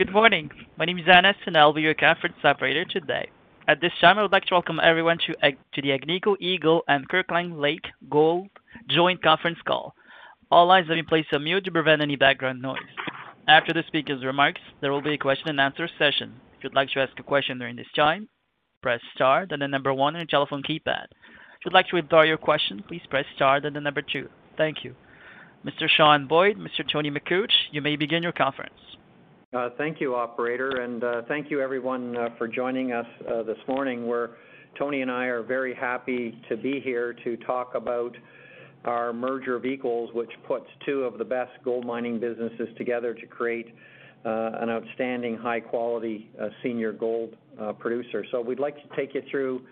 Good morning. My name is Anas, I'll be your conference operator today. At this time, I would like to welcome everyone to the Agnico Eagle and Kirkland Lake Gold joint conference call. All lines have been placed on mute to prevent any background noise. After the speakers' remarks, there will be a question-and-answer session. If you'd like to ask a question during this time, press star then the number one on your telephone keypad. If you'd like to withdraw your question, please press star then the number two. Thank you. Mr. Sean Boyd, Mr. Tony Makuch, you may begin your conference. Thank you, operator, and thank you everyone for joining us this morning, where Tony and I are very happy to be here to talk about our merger of equals, which puts two of the best gold mining businesses together to create an outstanding high-quality senior gold producer. We'd like to take you through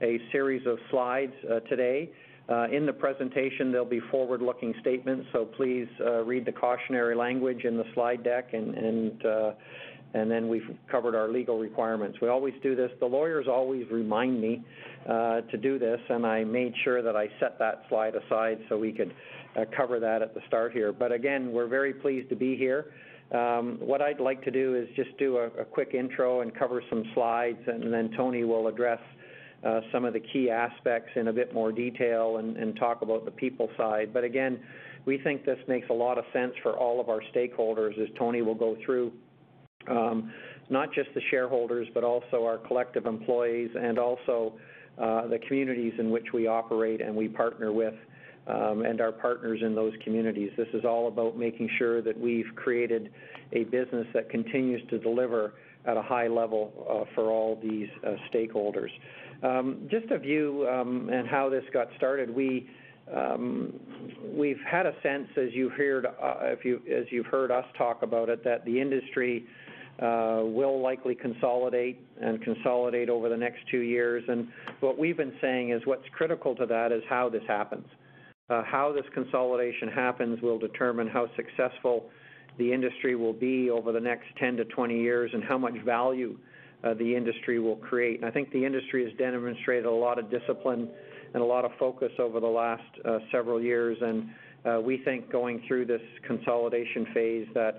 a series of slides today. In the presentation, there'll be forward-looking statements, so please read the cautionary language in the slide deck and then we've covered our legal requirements. We always do this. The lawyers always remind me to do this, and I made sure that I set that slide aside so we could cover that at the start here. Again, we're very pleased to be here. What I'd like to do is just do a quick intro and cover some slides, and then Tony will address some of the key aspects in a bit more detail and talk about the people side. Again, we think this makes a lot of sense for all of our stakeholders as Tony will go through, not just the shareholders, but also our collective employees and also the communities in which we operate and we partner with, and our partners in those communities. This is all about making sure that we've created a business that continues to deliver at a high level for all these stakeholders. Just a view and how this got started, we've had a sense as you've heard us talk about it, that the industry will likely consolidate and consolidate over the next two years. What we've been saying is what's critical to that is how this happens. How this consolidation happens will determine how successful the industry will be over the next 10-20 years and how much value the industry will create. I think the industry has demonstrated a lot of discipline and a lot of focus over the last several years, and we think going through this consolidation phase that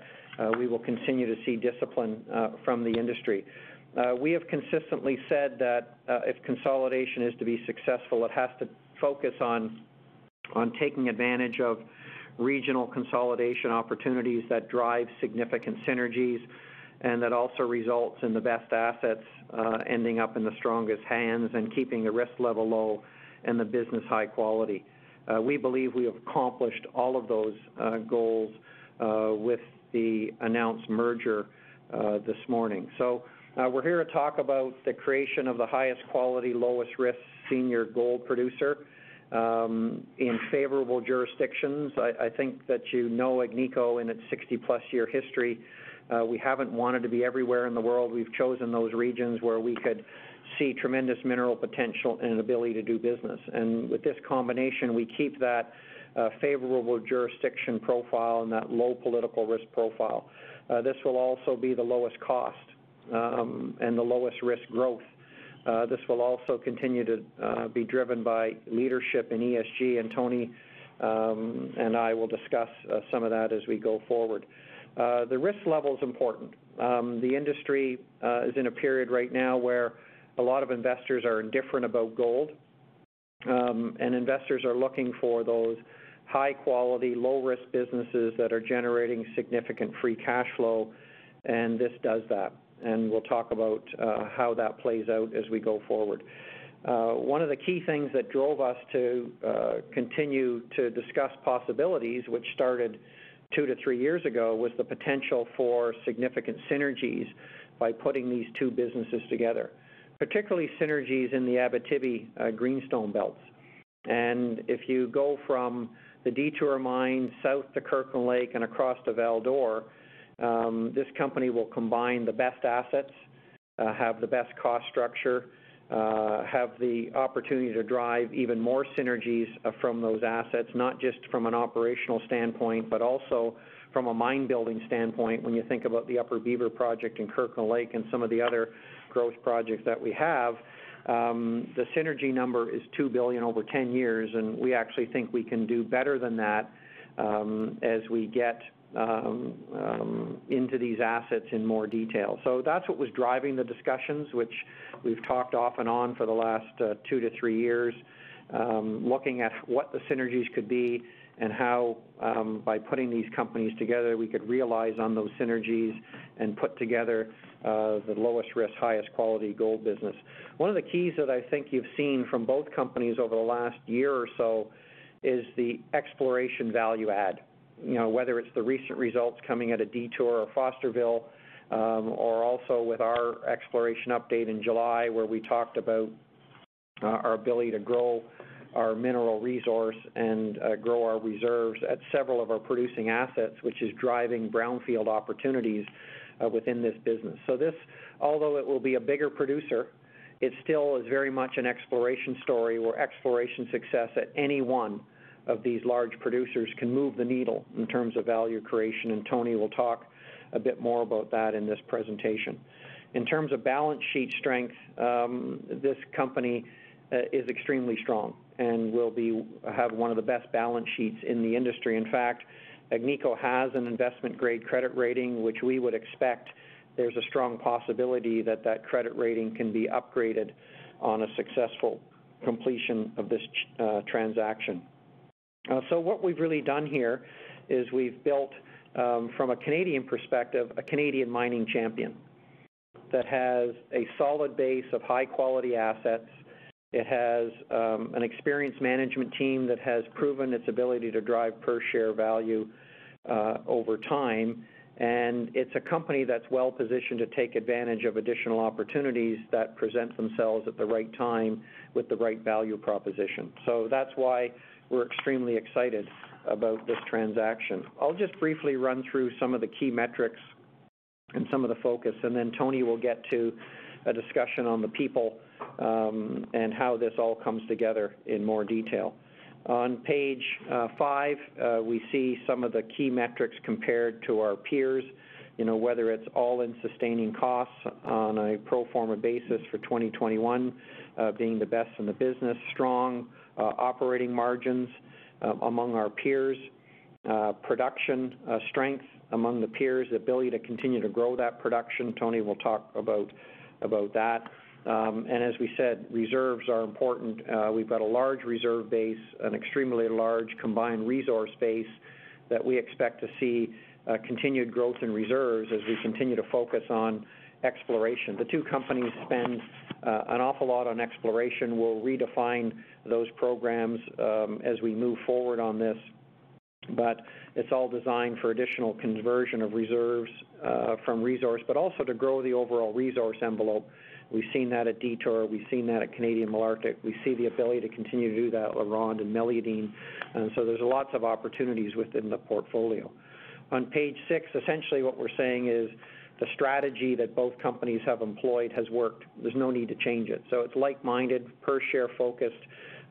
we will continue to see discipline from the industry. We have consistently said that if consolidation is to be successful, it has to focus on taking advantage of regional consolidation opportunities that drive significant synergies and that also results in the best assets ending up in the strongest hands and keeping the risk level low and the business high quality. We believe we have accomplished all of those goals with the announced merger this morning. We're here to talk about the creation of the highest quality, lowest risk senior gold producer, in favorable jurisdictions. I think that you know Agnico in its 60+ year history, we haven't wanted to be everywhere in the world. We've chosen those regions where we could see tremendous mineral potential and an ability to do business. With this combination, we keep that favorable jurisdiction profile and that low political risk profile. This will also be the lowest cost, and the lowest risk growth. This will also continue to be driven by leadership in ESG and Tony and I will discuss some of that as we go forward. The risk level's important. The industry is in a period right now where a lot of investors are indifferent about gold. Investors are looking for those high quality, low risk businesses that are generating significant free cash flow, and this does that. We'll talk about how that plays out as we go forward. One of the key things that drove us to continue to discuss possibilities, which started 2-3 years ago, was the potential for significant synergies by putting these two businesses together, particularly synergies in the Abitibi greenstone belts. If you go from the Detour mine south to Kirkland Lake and across to Val d'Or, this company will combine the best assets, have the best cost structure, have the opportunity to drive even more synergies from those assets, not just from an operational standpoint, but also from a mine building standpoint when you think about the Upper Beaver Project in Kirkland Lake and some of the other growth projects that we have. The synergy number is 2 billion over 10 years, and we actually think we can do better than that as we get into these assets in more detail. That's what was driving the discussions, which we've talked off and on for the last two to three years, looking at what the synergies could be and how, by putting these companies together, we could realize on those synergies and put together the lowest risk, highest quality gold business. One of the keys that I think you've seen from both companies over the last year or so is the exploration value add. Whether it's the recent results coming out of Detour or Fosterville, or also with our exploration update in July where we talked about our ability to grow our mineral resource and grow our reserves at several of our producing assets, which is driving brownfield opportunities within this business. This, although it will be a bigger producer, it still is very much an exploration story where exploration success at any one of these large producers can move the needle in terms of value creation, and Tony will talk a bit more about that in this presentation. In terms of balance sheet strength, this company is extremely strong and will have one of the best balance sheets in the industry. In fact, Agnico has an investment-grade credit rating, which we would expect there's a strong possibility that that credit rating can be upgraded on a successful completion of this transaction. What we've really done here is we've built, from a Canadian perspective, a Canadian mining champion that has a solid base of high-quality assets. It has an experienced management team that has proven its ability to drive per share value over time, and it's a company that's well-positioned to take advantage of additional opportunities that present themselves at the right time with the right value proposition. That's why we're extremely excited about this transaction. I'll just briefly run through some of the key metrics and some of the focus, and then Tony will get to a discussion on the people, and how this all comes together in more detail. On page five, we see some of the key metrics compared to our peers. Whether it's all-in sustaining costs on a pro forma basis for 2021, being the best in the business, strong operating margins among our peers, production strength among the peers, ability to continue to grow that production, Tony will talk about that. As we said, reserves are important. We've got a large reserve base, an extremely large combined resource base that we expect to see continued growth in reserves as we continue to focus on exploration. The two companies spend an awful lot on exploration. We'll redefine those programs as we move forward on this, but it's all designed for additional conversion of reserves from resource, but also to grow the overall resource envelope. We've seen that at Detour. We've seen that at Canadian Malartic. We see the ability to continue to do that at LaRonde and Meliadine. There's lots of opportunities within the portfolio. On page six, essentially what we're saying is the strategy that both companies have employed has worked. There's no need to change it. It's like-minded, per share focused,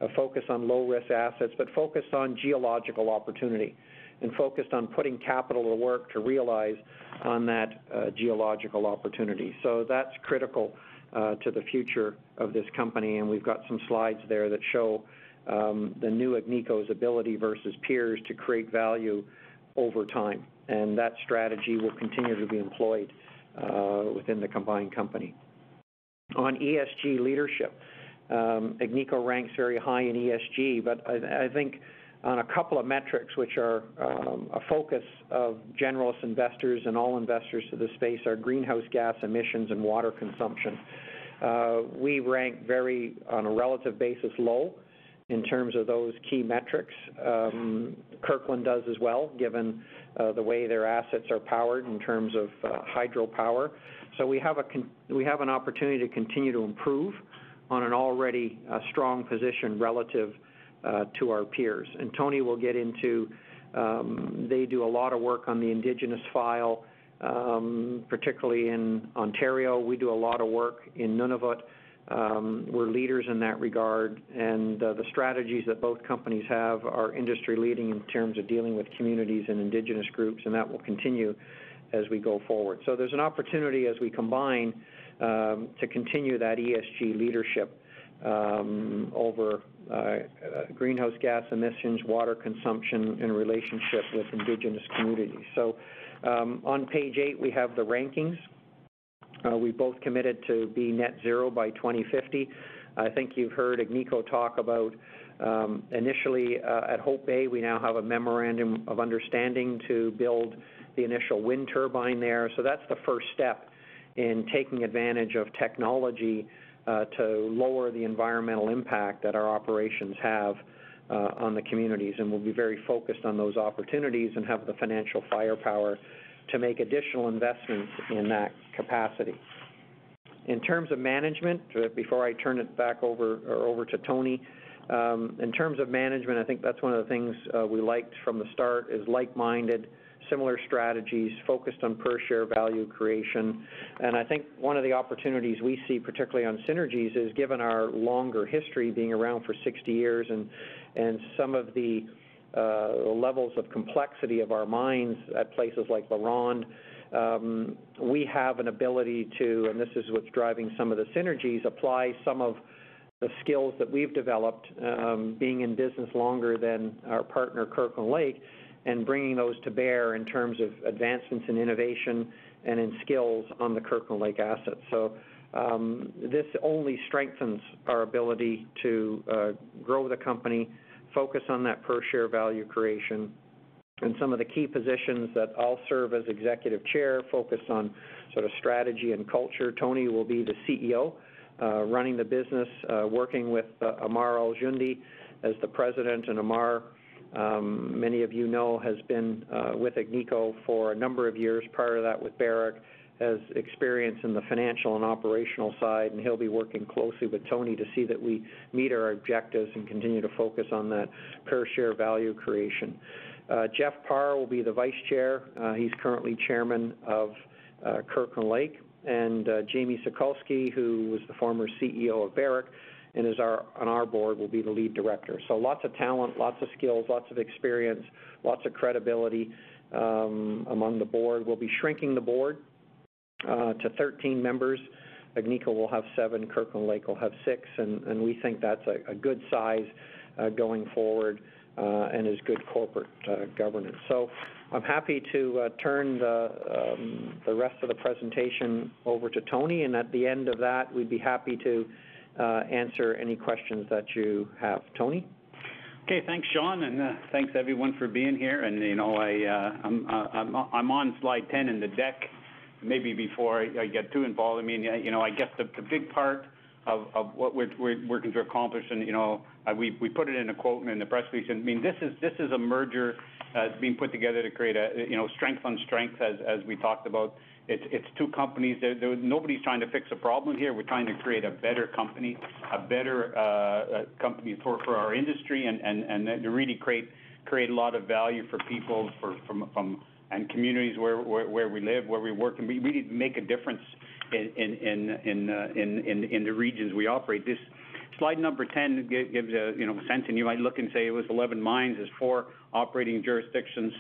a focus on low-risk assets, but focused on geological opportunity and focused on putting capital to work to realize on that geological opportunity. That's critical to the future of this company, and we've got some slides there that show the new Agnico's ability versus peers to create value over time, and that strategy will continue to be employed within the combined company. On ESG leadership, Agnico ranks very high in ESG, but I think on a couple of metrics which are a focus of generalists investors and all investors to this space are greenhouse gas emissions and water consumption. We rank very, on a relative basis, low in terms of those key metrics. Kirkland does as well, given the way their assets are powered in terms of hydropower. We have an opportunity to continue to improve on an already strong position relative to our peers. Tony will get into, they do a lot of work on the Indigenous file, particularly in Ontario. We do a lot of work in Nunavut. We're leaders in that regard, and the strategies that both companies have are industry leading in terms of dealing with communities and Indigenous groups, and that will continue as we go forward. There's an opportunity as we combine to continue that ESG leadership over greenhouse gas emissions, water consumption, and relationship with Indigenous communities. On page eight, we have the rankings. We both committed to be net zero by 2050. I think you've heard Agnico talk about initially at Hope Bay, we now have a memorandum of understanding to build the initial wind turbine there. That's the first step in taking advantage of technology to lower the environmental impact that our operations have on the communities, and we'll be very focused on those opportunities and have the financial firepower to make additional investments in that capacity. In terms of management, before I turn it back over to Tony, in terms of management, I think that's one of the things we liked from the start is like-minded, similar strategies focused on per share value creation. I think one of the opportunities we see, particularly on synergies, is given our longer history, being around for 60 years, and some of the levels of complexity of our mines at places like LaRonde, we have an ability to, and this is what's driving some of the synergies, apply some of the skills that we've developed being in business longer than our partner Kirkland Lake, and bringing those to bear in terms of advancements in innovation and in skills on the Kirkland Lake assets. This only strengthens our ability to grow the company, focus on that per share value creation. In some of the key positions that I'll serve as Executive Chair, focused on sort of strategy and culture, Tony will be the CEO, running the business, working with Ammar Al-Joundi as the President. Ammar, many of you know, has been with Agnico for a number of years, prior to that with Barrick, has experience in the financial and operational side, and he'll be working closely with Tony to see that we meet our objectives and continue to focus on that per share value creation. Jeff Parr will be the Vice Chair. He's currently Chairman of Kirkland Lake. Jamie Sokalsky, who was the former CEO of Barrick and is on our board, will be the Lead Director. Lots of talent, lots of skills, lots of experience, lots of credibility among the board. We'll be shrinking the board to 13 members. Agnico will have seven, Kirkland Lake will have six, and we think that's a good size going forward, and is good corporate governance. I'm happy to turn the rest of the presentation over to Tony, and at the end of that, we'd be happy to answer any questions that you have. Tony Okay, thanks, Sean. Thanks everyone for being here. I'm on slide 10 in the deck. Maybe before I get too involved, I guess the big part of what we're working to accomplish. We put it in a quote in the press release. This is a merger that's being put together to create strength on strength, as we talked about. It's two companies. Nobody's trying to fix a problem here. We're trying to create a better company for our industry and to really create a lot of value for people and communities where we live, where we work. We need to make a difference in the regions we operate. This slide number 10 gives a sense. You might look and say it was 11 mines, there's four operating jurisdictions,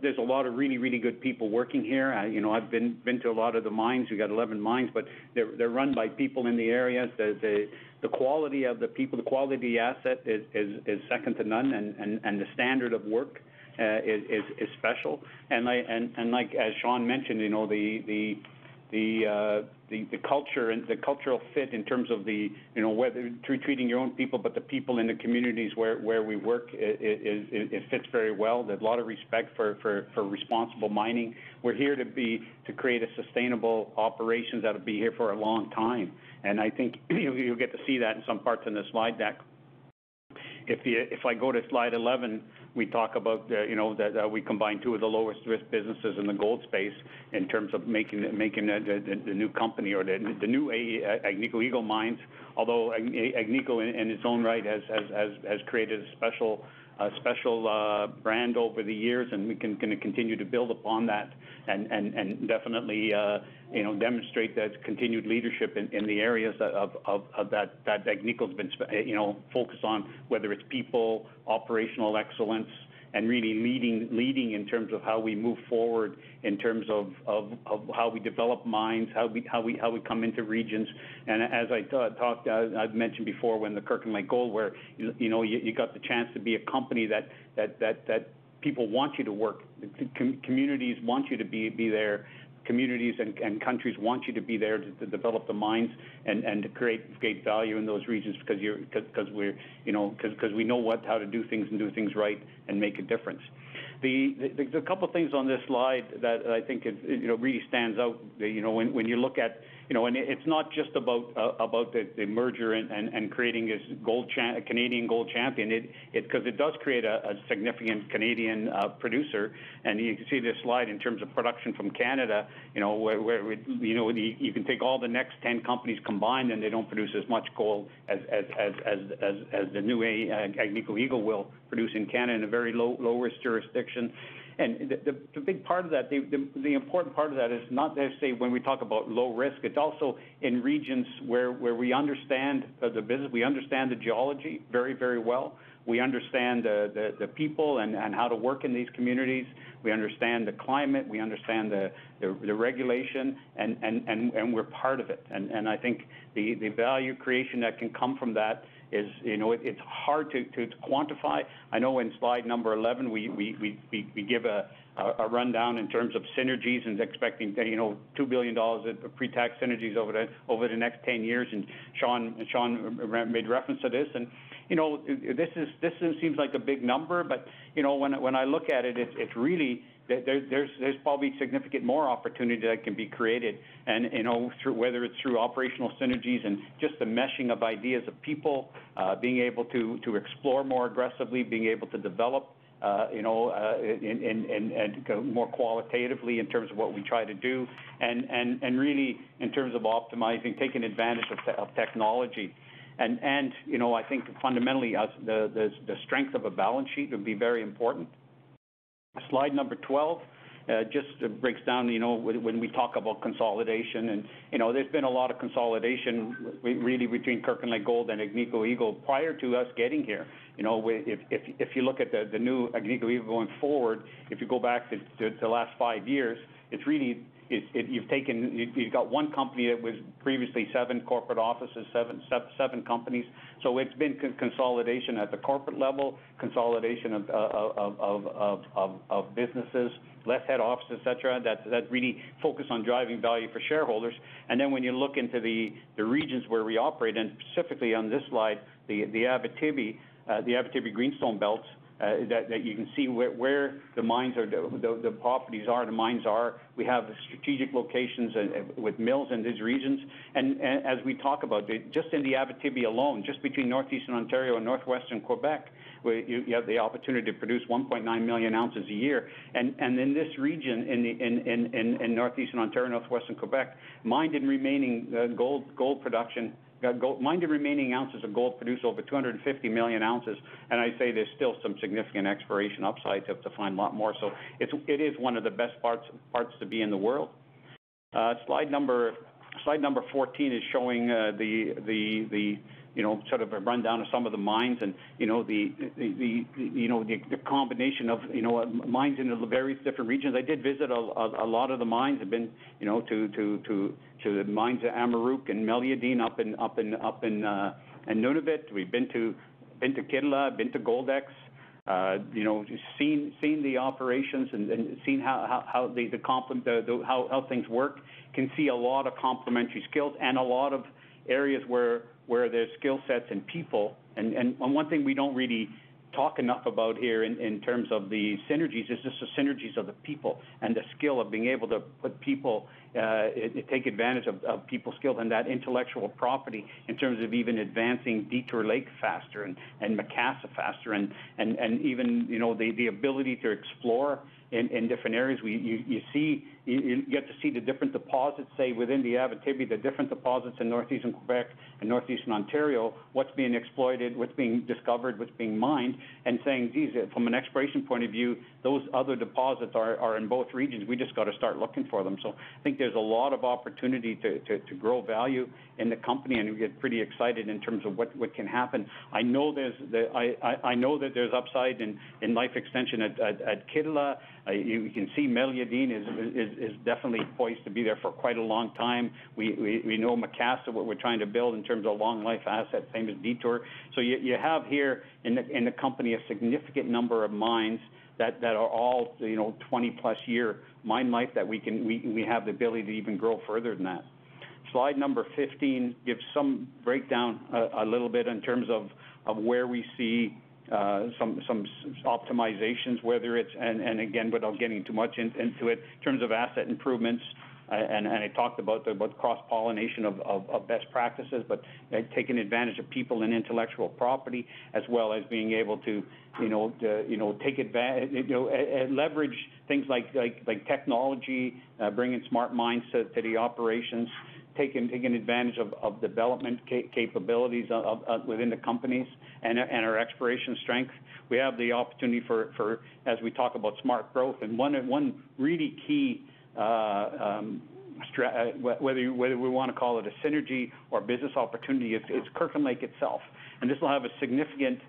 there's a lot of really, really good people working here. I've been to a lot of the mines. We got 11 mines. They're run by people in the area. The quality of the people, the quality of the asset is second to none. The standard of work is special. Like, as Sean mentioned, the culture and the cultural fit in terms of whether treating your own people, but the people in the communities where we work, it fits very well. There's a lot of respect for responsible mining. We're here to create a sustainable operations that'll be here for a long time. I think you'll get to see that in some parts in the slide deck. If I go to slide 11, we talk about that we combine two of the lowest risk businesses in the gold space in terms of making the new company or the new Agnico Eagle Mines. Although Agnico, in its own right, has created a special brand over the years, and we can continue to build upon that and definitely demonstrate that it's continued leadership in the areas of that Agnico's been focused on, whether it's people, operational excellence, and really leading in terms of how we move forward, in terms of how we develop mines, how we come into regions. As I've mentioned before, when the Kirkland Lake Gold were, you got the chance to be a company that people want you to work. Communities want you to be there. Communities and countries want you to be there to develop the mines and to create value in those regions because we know how to do things and do things right and make a difference. There's a couple things on this slide that I think really stands out. It's not just about the merger and creating this Canadian gold champion, because it does create a significant Canadian producer. You can see this slide in terms of production from Canada, where you can take all the next 10 companies combined, and they don't produce as much gold as the new Agnico Eagle will produce in Canada in a very low risk jurisdiction. The important part of that is not necessarily when we talk about low risk, it's also in regions where we understand the geology very, very well. We understand the people and how to work in these communities. We understand the climate, we understand the regulation, and we're part of it. I think the value creation that can come from that is, it's hard to quantify. In slide number 11, we give a rundown in terms of synergies expecting 2 billion dollars of pre-tax synergies over the next 10 years, Sean made reference to this. This seems like a big number, but when I look at it, there's probably significant more opportunity that can be created, whether it's through operational synergies and just the meshing of ideas of people, being able to explore more aggressively, being able to develop and go more qualitatively in terms of what we try to do and really in terms of optimizing, taking advantage of technology. I think fundamentally, the strength of a balance sheet would be very important. Slide number 12 just breaks down when we talk about consolidation and there's been a lot of consolidation really between Kirkland Lake Gold and Agnico Eagle prior to us getting here. If you look at the new Agnico Eagle going forward, if you go back to the last 5 years, you've got one company that was previously seven corporate offices, seven companies. It's been consolidation at the corporate level, consolidation of businesses, less head office, et cetera, that really focus on driving value for shareholders. When you look into the regions where we operate, and specifically on this slide, the Abitibi Greenstone Belts, that you can see where the mines are, the properties are, the mines are. We have the strategic locations with mills in these regions. As we talk about, just in the Abitibi alone, just between northeastern Ontario and northwestern Quebec, where you have the opportunity to produce 1.9 million ounces a year. In this region, in northeastern Ontario, northwestern Quebec, mined and remaining ounces of gold produced over 250 million ounces, and I'd say there's still some significant exploration upside to find a lot more. Slide number 14 is showing sort of a rundown of some of the mines and the combination of mines in the various different regions. I did visit a lot of the mines. I've been to the mines at Amaruq and Meliadine up in Nunavut. We've been to Kitikmeot, been to Goldex. Seeing the operations and seeing how things work can see a lot of complementary skills and a lot of areas where there's skillsets and people. One thing we don't really talk enough about here in terms of the synergies is just the synergies of the people and the skill of being able to take advantage of people's skills and that intellectual property in terms of even advancing Detour Lake faster and Macassa faster and even the ability to explore in different areas. You get to see the different deposits, say, within the Abitibi, the different deposits in northeastern Quebec and northeastern Ontario, what's being exploited, what's being discovered, what's being mined, and saying, "Geez, from an exploration point of view, those other deposits are in both regions. We just got to start looking for them." I think there's a lot of opportunity to grow value in the company, and we get pretty excited in terms of what can happen. I know that there's upside in life extension at Kittilä. You can see Meliadine is definitely poised to be there for quite a long time. We know Macassa, what we're trying to build in terms of long life assets, same as Detour. You have here in the company a significant number of mines that are all 20+ year mine life that we have the ability to even grow further than that. Slide number 15 gives some breakdown a little bit in terms of where we see some optimizations, whether it's, and again, without getting too much into it, in terms of asset improvements, and I talked about the cross-pollination of best practices, but taking advantage of people and intellectual property as well as being able to leverage things like technology, bringing smart mindset to the operations, taking advantage of development capabilities within the companies and our exploration strength. We have the opportunity for, as we talk about smart growth, and one really key, whether we want to call it a synergy or business opportunity, is Kirkland Lake itself. This will have a significant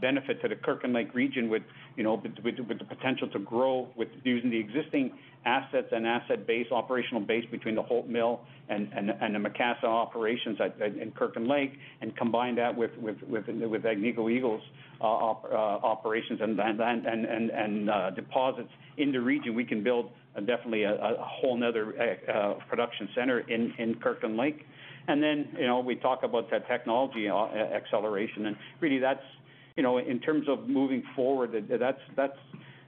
benefit to the Kirkland Lake region with the potential to grow using the existing assets and asset base, operational base between the Holt mill and the Macassa operations in Kirkland Lake and combine that with Agnico Eagle's operations and deposits in the region. We can build definitely a whole other production center in Kirkland Lake. Then, we talk about that technology acceleration, and really that's, in terms of moving forward,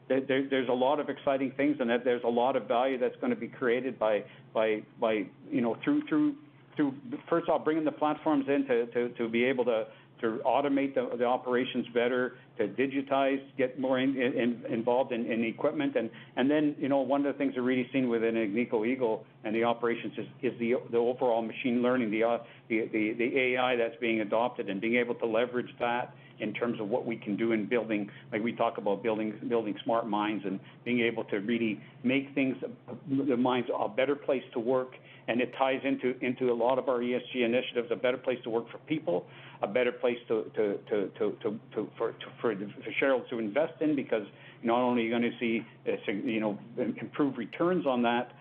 there's a lot of exciting things and there's a lot of value that's going to be created through, first off, bringing the platforms in to be able to automate the operations better, to digitize, get more involved in equipment. One of the things we're really seeing within Agnico Eagle and the operations is the overall machine learning, the AI that's being adopted and being able to leverage that in terms of what we can do in building. We talk about building smart mines and being able to really make the mines a better place to work. It ties into a lot of our ESG initiatives, a better place to work for people, a better place for shareholders to invest in because not only are you going to see improved returns on that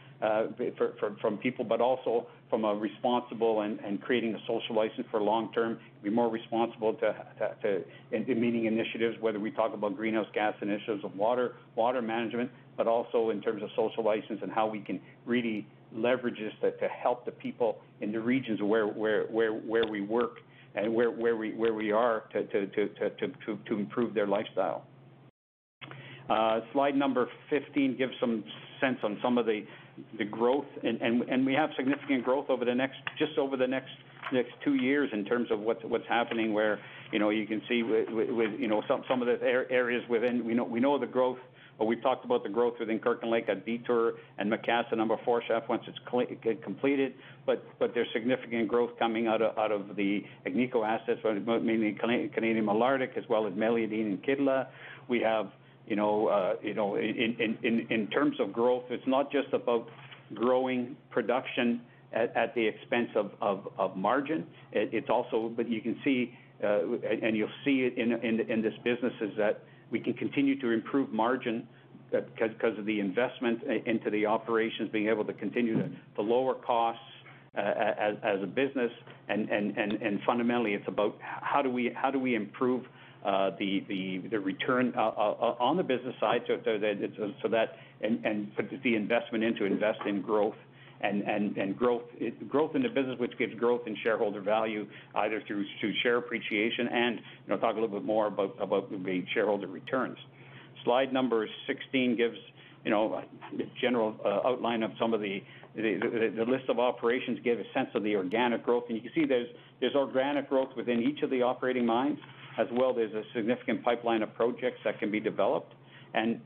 from people, but also from a responsible and creating a social license for long-term, be more responsible to meeting initiatives, whether we talk about greenhouse gas initiatives or water management, but also in terms of social license and how we can really leverage this to help the people in the regions where we work and where we are to improve their lifestyle. Slide number 15 gives some sense on some of the growth. We have significant growth just over the next 2 years in terms of what's happening where you can see some of the areas within. We know the growth, or we've talked about the growth within Kirkland Lake at Detour and Macassa number four shaft once it's completed. There's significant growth coming out of the Agnico assets, mainly Canadian Malartic, as well as Meliadine and Kittilä. In terms of growth, it's not just about growing production at the expense of margin. You can see, and you'll see it in this business, that we can continue to improve margin because of the investment into the operations, being able to continue to lower costs as a business. Fundamentally, it's about how do we improve the return on the business side and put the investment in to invest in growth and growth in the business, which gives growth in shareholder value either through share appreciation and talk a little bit more about the shareholder returns. Slide number 16 gives a general outline of some of the list of operations, give a sense of the organic growth, and you can see there's organic growth within each of the operating mines. As well, there's a significant pipeline of projects that can be developed. In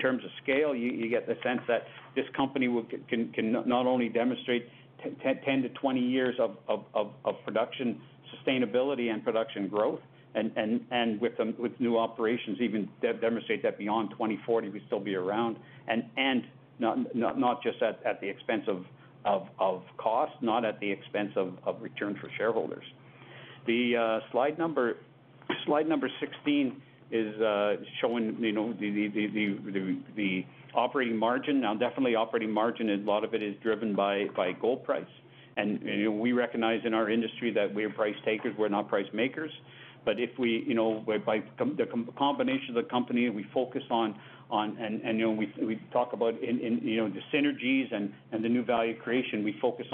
terms of scale, you get the sense that this company can not only demonstrate 10-20 years of production sustainability and production growth and with new operations, even demonstrate that beyond 2040, we still be around, and not just at the expense of cost, not at the expense of return for shareholders. The slide number 16 is showing the operating margin. Definitely operating margin, a lot of it is driven by gold price. We recognize in our industry that we're price takers, we're not price makers. If we, by the combination of the company, we focus on, and we talk about the synergies and the new value creation, we focus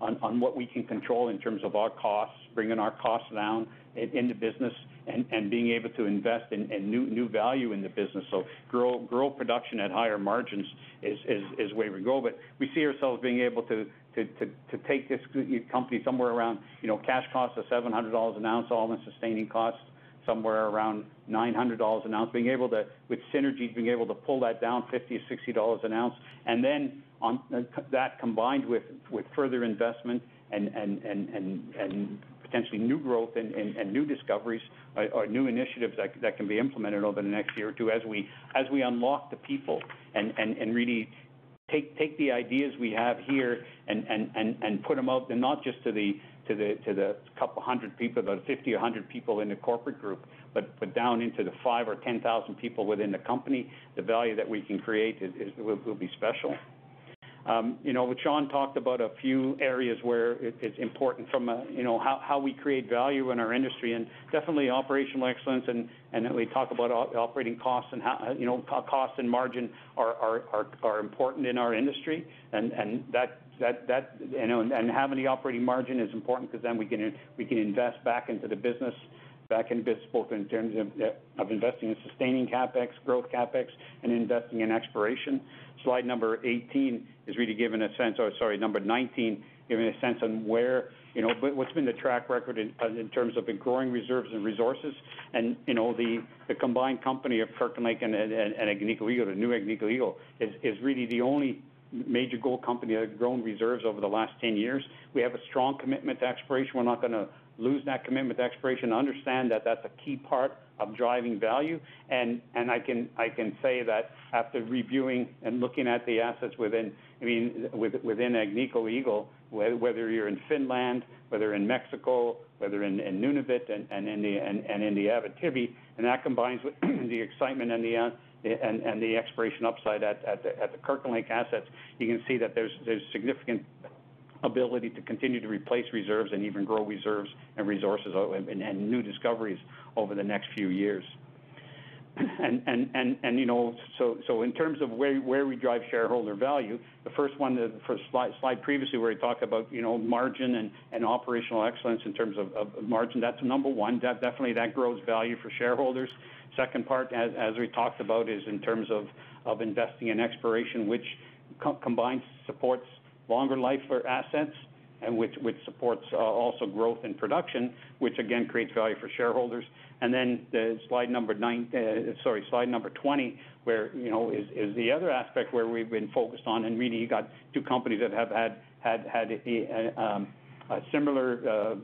on what we can control in terms of our costs, bringing our costs down in the business, and being able to invest in new value in the business. Grow production at higher margins is where we go. We see ourselves being able to take this company somewhere around, cash costs of 700 dollars an ounce, all-in sustaining costs somewhere around 900 dollars an ounce. With synergies, being able to pull that down 50-60 dollars an ounce. On that, combined with further investment and potentially new growth and new discoveries or new initiatives that can be implemented over the next year or two, as we unlock the people and really take the ideas we have here and put them out there, not just to the 200 people, about 50 or 100 people in the corporate group, but down into the 5,000 or 10,000 people within the company, the value that we can create will be special. Sean talked about a few areas where it's important from how we create value in our industry, and definitely operational excellence and that we talk about operating costs and how cost and margin are important in our industry. Having the operating margin is important because then we can invest back into the business, both in terms of investing in sustaining CapEx, growth CapEx, and investing in exploration. Slide number 18 is really giving a sense, or, sorry, number 19, giving a sense on where, what's been the track record in terms of growing reserves and resources and the combined company of Kirkland Lake and Agnico Eagle, the new Agnico Eagle, is really the only major gold company that has grown reserves over the last 10 years. We have a strong commitment to exploration. We're not going to lose that commitment to exploration, understand that that's a key part of driving value. I can say that after reviewing and looking at the assets within Agnico Eagle, whether you're in Finland, whether in Mexico, whether in Nunavut and in the Abitibi, and that combines with the excitement and the exploration upside at the Kirkland Lake assets, you can see that there's significant ability to continue to replace reserves and even grow reserves and resources and new discoveries over the next few years. In terms of where we drive shareholder value, the first one, the first slide previously where we talked about margin and operational excellence in terms of margin, that's number one. Definitely that grows value for shareholders. Second part, as we talked about, is in terms of investing in exploration, which combined supports longer life for assets and which supports also growth in production, which again creates value for shareholders. Then the slide nine, sorry, slide 20, where is the other aspect where we've been focused on and really you got two companies that have had a similar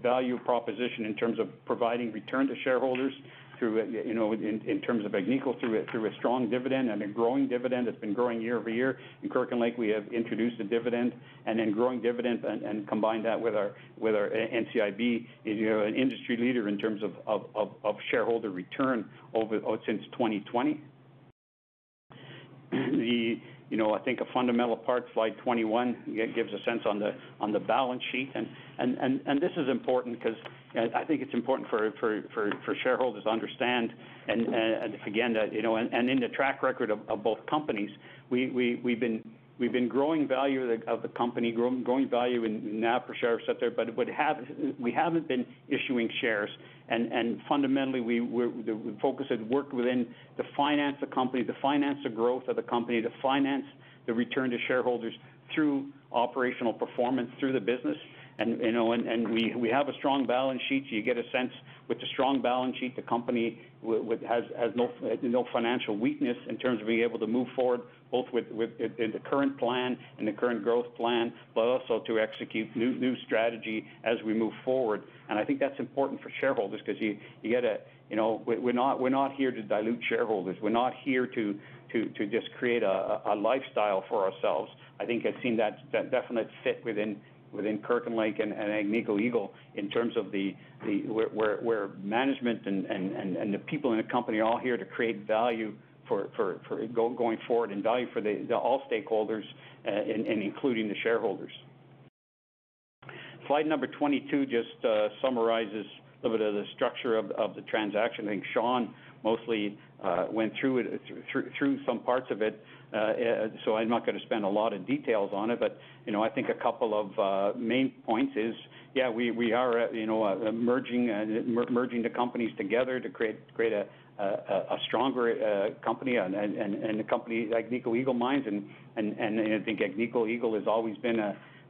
value proposition in terms of providing return to shareholders through, in terms of Agnico, through a strong dividend and a growing dividend that's been growing year-over-year. In Kirkland Lake, we have introduced a dividend, and then growing dividend and combine that with our NCIB, an industry leader in terms of shareholder return since 2020. I think a fundamental part, slide 21, gives a sense on the balance sheet. This is important because I think it's important for shareholders to understand, and again, and in the track record of both companies, we've been growing value of the company, growing value in net per share set there, but we haven't been issuing shares. Fundamentally, the focus has worked within to finance the company, to finance the growth of the company, to finance the return to shareholders through operational performance through the business. We have a strong balance sheet, so you get a sense with the strong balance sheet, the company has no financial weakness in terms of being able to move forward, both in the current plan and the current growth plan, but also to execute new strategy as we move forward. I think that's important for shareholders because we're not here to dilute shareholders. We're not here to just create a lifestyle for ourselves. I think I've seen that definite fit within Kirkland Lake and Agnico Eagle in terms of where management and the people in the company are all here to create value for going forward and value for all stakeholders, and including the shareholders. Slide number 22 just summarizes a little bit of the structure of the transaction. I think Sean mostly went through some parts of it. I'm not going to spend a lot of details on it. I think a couple of main points is, yeah, we are merging the companies together to create a stronger company and a company, Agnico Eagle Mines. I think Agnico Eagle has always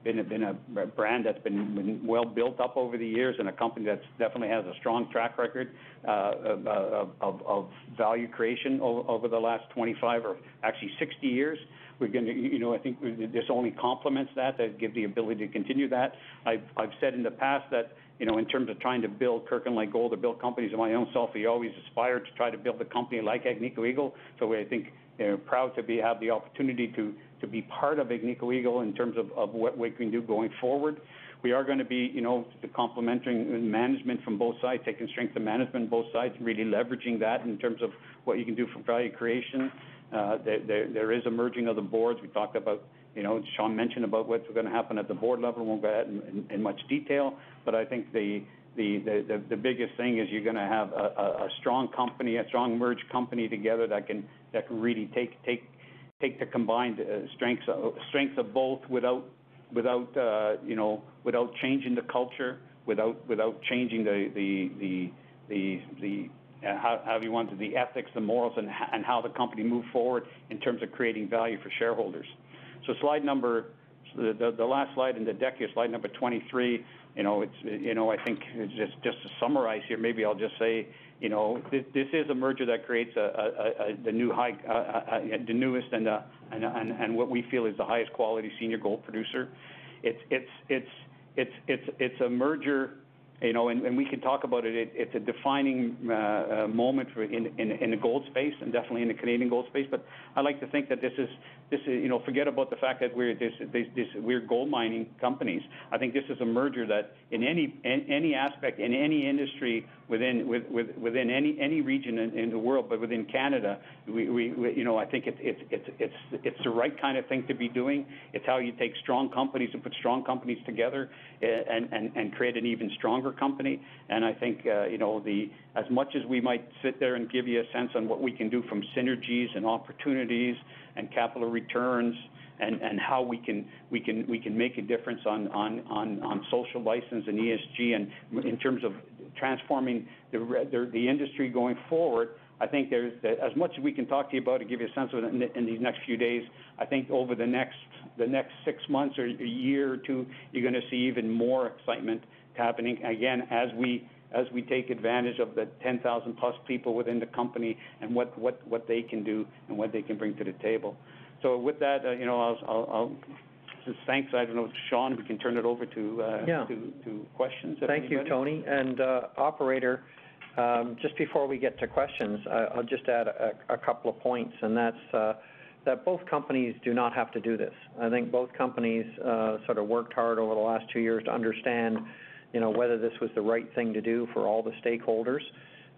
been a brand that's been well built up over the years and a company that definitely has a strong track record of value creation over the last 25 or actually 60 years. I think this only complements that give the ability to continue that. I've said in the past that in terms of trying to build Kirkland Lake Gold or build companies of my own self, you always aspire to try to build a company like Agnico Eagle. I think we're proud to have the opportunity to be part of Agnico Eagle in terms of what we can do going forward. We are going to be the complementary management from both sides, taking strength of management on both sides, really leveraging that in terms of what you can do for value creation. There is a merging of the boards. Sean mentioned about what's going to happen at the board level. Won't go ahead in much detail, but I think the biggest thing is you're going to have a strong merged company together that can really take the combined strengths of both without changing the culture, without changing the ethics, the morals, and how the company move forward in terms of creating value for shareholders. The last slide in the deck here, slide 23. Just to summarize here, maybe I'll just say, this is a merger that creates the newest and what we feel is the highest quality senior gold producer. It's a merger, and we can talk about it's a defining moment in the gold space and definitely in the Canadian gold space. Forget about the fact that we're gold mining companies. I think this is a merger that in any aspect, in any industry, within any region in the world, but within Canada, I think it's the right kind of thing to be doing. It's how you take strong companies and put strong companies together and create an even stronger company. I think, as much as we might sit there and give you a sense on what we can do from synergies and opportunities and capital returns and how we can make a difference on social license and ESG in terms of transforming the industry going forward, I think as much as we can talk to you about and give you a sense in these next few days, I think over the next 6 months or a year or two, you're going to see even more excitement happening, again, as we take advantage of the 10,000 plus people within the company and what they can do and what they can bring to the table. With that, just thanks. I don't know, Sean, if we can turn it over to questions. Yeah. Thank you, Tony. Operator, just before we get to questions, I'll just add a couple of points, and that's that both companies do not have to do this. I think both companies sort of worked hard over the last two years to understand whether this was the right thing to do for all the stakeholders,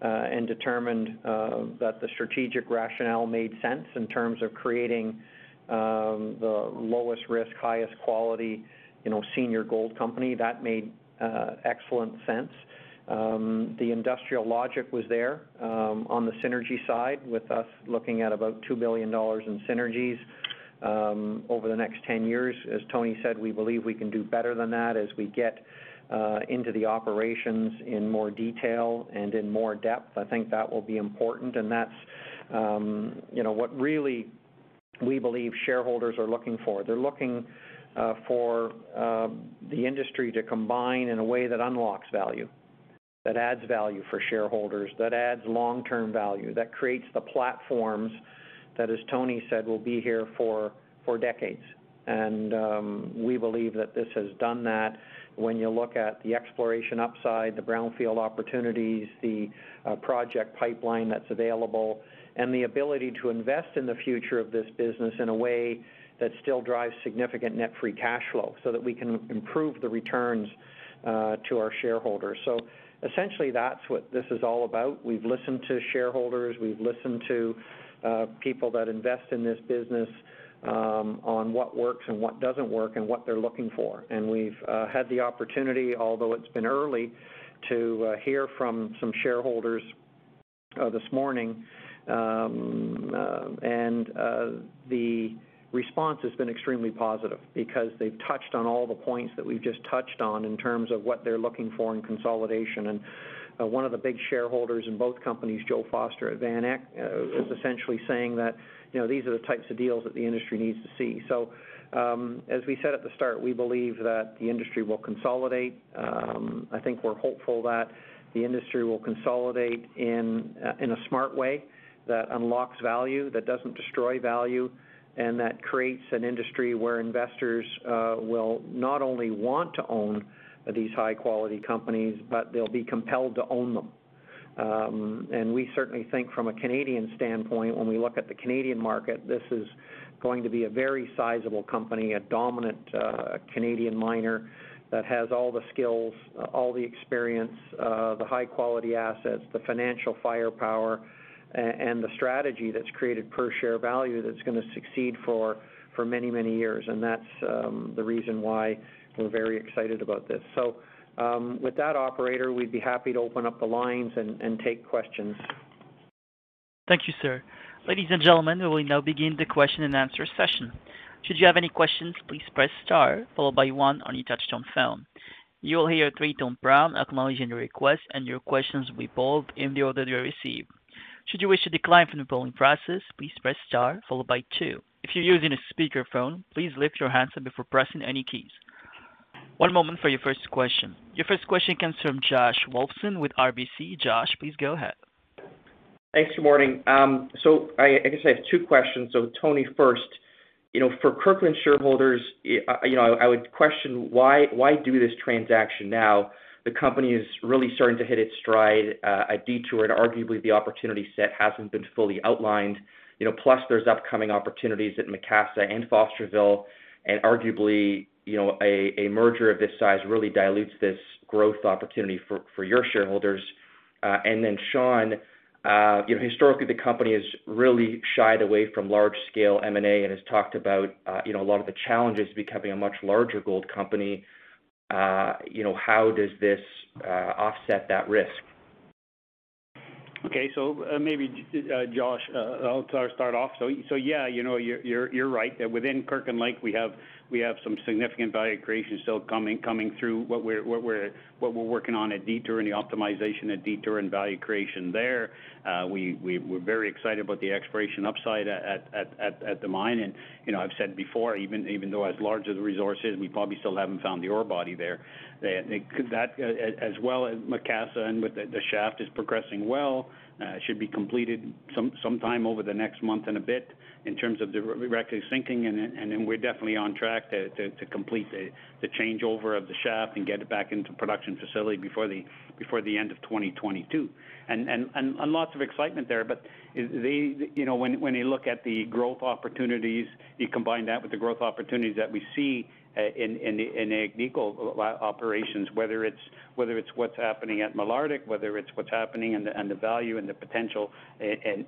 and determined that the strategic rationale made sense in terms of creating the lowest risk, highest quality senior gold company. That made excellent sense. The industrial logic was there, on the synergy side, with us looking at about 2 billion dollars in synergies over the next 10 years. As Tony said, we believe we can do better than that as we get into the operations in more detail and in more depth. I think that will be important, and that's what really we believe shareholders are looking for. They're looking for the industry to combine in a way that unlocks value, that adds value for shareholders, that adds long-term value, that creates the platforms that, as Tony said, will be here for decades. We believe that this has done that when you look at the exploration upside, the brownfield opportunities, the project pipeline that's available, and the ability to invest in the future of this business in a way that still drives significant net free cash flow so that we can improve the returns to our shareholders. Essentially, that's what this is all about. We've listened to shareholders, we've listened to people that invest in this business, on what works and what doesn't work and what they're looking for. We've had the opportunity, although it's been early, to hear from some shareholders this morning, and the response has been extremely positive because they've touched on all the points that we've just touched on in terms of what they're looking for in consolidation. One of the big shareholders in both companies, Joseph Foster at VanEck, is essentially saying that these are the types of deals that the industry needs to see. As we said at the start, we believe that the industry will consolidate. I think we're hopeful that the industry will consolidate in a smart way that unlocks value, that doesn't destroy value, and that creates an industry where investors will not only want to own these high quality companies, but they'll be compelled to own them. We certainly think from a Canadian standpoint, when we look at the Canadian market, this is going to be a very sizable company, a dominant Canadian miner that has all the skills, all the experience, the high quality assets, the financial firepower, and the strategy that's created per share value that's going to succeed for many years. That's the reason why we're very excited about this. With that, operator, we'd be happy to open up the lines and take questions. Thank you, sir. Ladies and gentlemen, we will now begin the question-and-answer session. Should you have any questions, please press star followed by one on your touch-tone phone. You will hear a three-tone prompt acknowledging your request and your questions will be pulled in the order they are received. Should you wish to decline from the polling process, please press star followed by two. If you're using a speakerphone, please lift your handset before pressing any keys. One moment for your first question. Your first question comes from Josh Wolfson with RBC. Josh, please go ahead. Thanks. Good morning. I guess I have two questions. Tony, first, for Kirkland shareholders, I would question why do this transaction now? The company is really starting to hit its stride at Detour, and arguably the opportunity set hasn't been fully outlined, plus there's upcoming opportunities at Macassa and Fosterville, and arguably, a merger of this size really dilutes this growth opportunity for your shareholders. Sean, historically the company has really shied away from large scale M&A and has talked about a lot of the challenges of becoming a much larger gold company. How does this offset that risk? Okay. Maybe, Josh, I'll start off. Yeah, you're right. Within Kirkland Lake, we have some significant value creation still coming through what we're working on at Detour and the optimization at Detour and value creation there. We're very excited about the exploration upside at the mine, and I've said before, even though as large as the resource is, we probably still haven't found the ore body there. That as well as Macassa and with the shaft is progressing well, should be completed some time over the next month and a bit in terms of directly sinking, and then we're definitely on track to complete the changeover of the shaft and get it back into production facility before the end of 2022. Lots of excitement there. When you look at the growth opportunities, you combine that with the growth opportunities that we see in Agnico operations, whether it's what's happening at Malartic, whether it's what's happening and the value and the potential in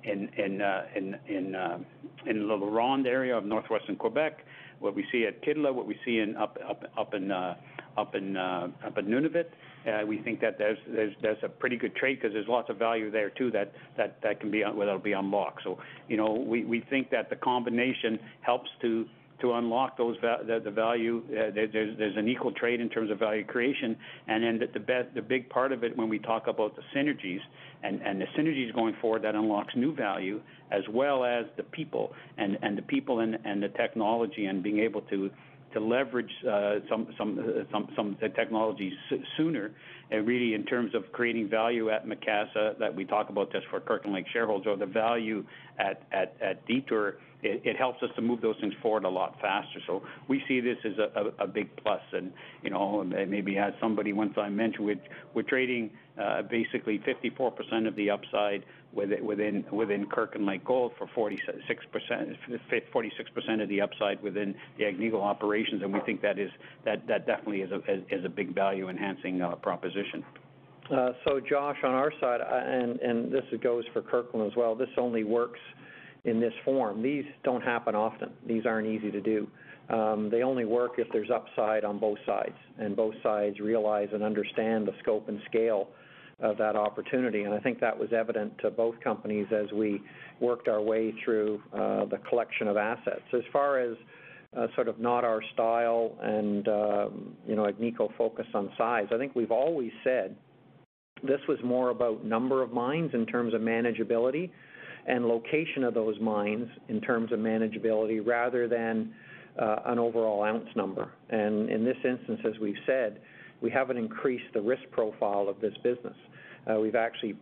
the LaRonde area of northwestern Quebec, what we see at Kittilä, what we see up in Nunavut, we think that's a pretty good trade because there's lots of value there too, that will be unlocked. We think that the combination helps to unlock the value. There's an equal trade in terms of value creation, and then the big part of it when we talk about the synergies, and the synergies going forward, that unlocks new value as well as the people. The people and the technology and being able to leverage some technologies sooner, really in terms of creating value at Macassa, that we talk about this for Kirkland Lake shareholders, or the value at Detour, it helps us to move those things forward a lot faster. We see this as a big plus and, maybe as somebody once I mentioned, we're trading basically 54% of the upside within Kirkland Lake Gold for 46% of the upside within the Agnico operations, and we think that definitely is a big value enhancing proposition. Josh, on our side, and this goes for Kirkland as well, this only works in this form. These don't happen often. These aren't easy to do. They only work if there's upside on both sides, and both sides realize and understand the scope and scale of that opportunity, and I think that was evident to both companies as we worked our way through the collection of assets. As far as sort of not our style and, Agnico focus on size, I think we've always said this was more about number of mines in terms of manageability and location of those mines in terms of manageability rather than an overall ounce number. In this instance, as we've said, we haven't increased the risk profile of this business. We've actually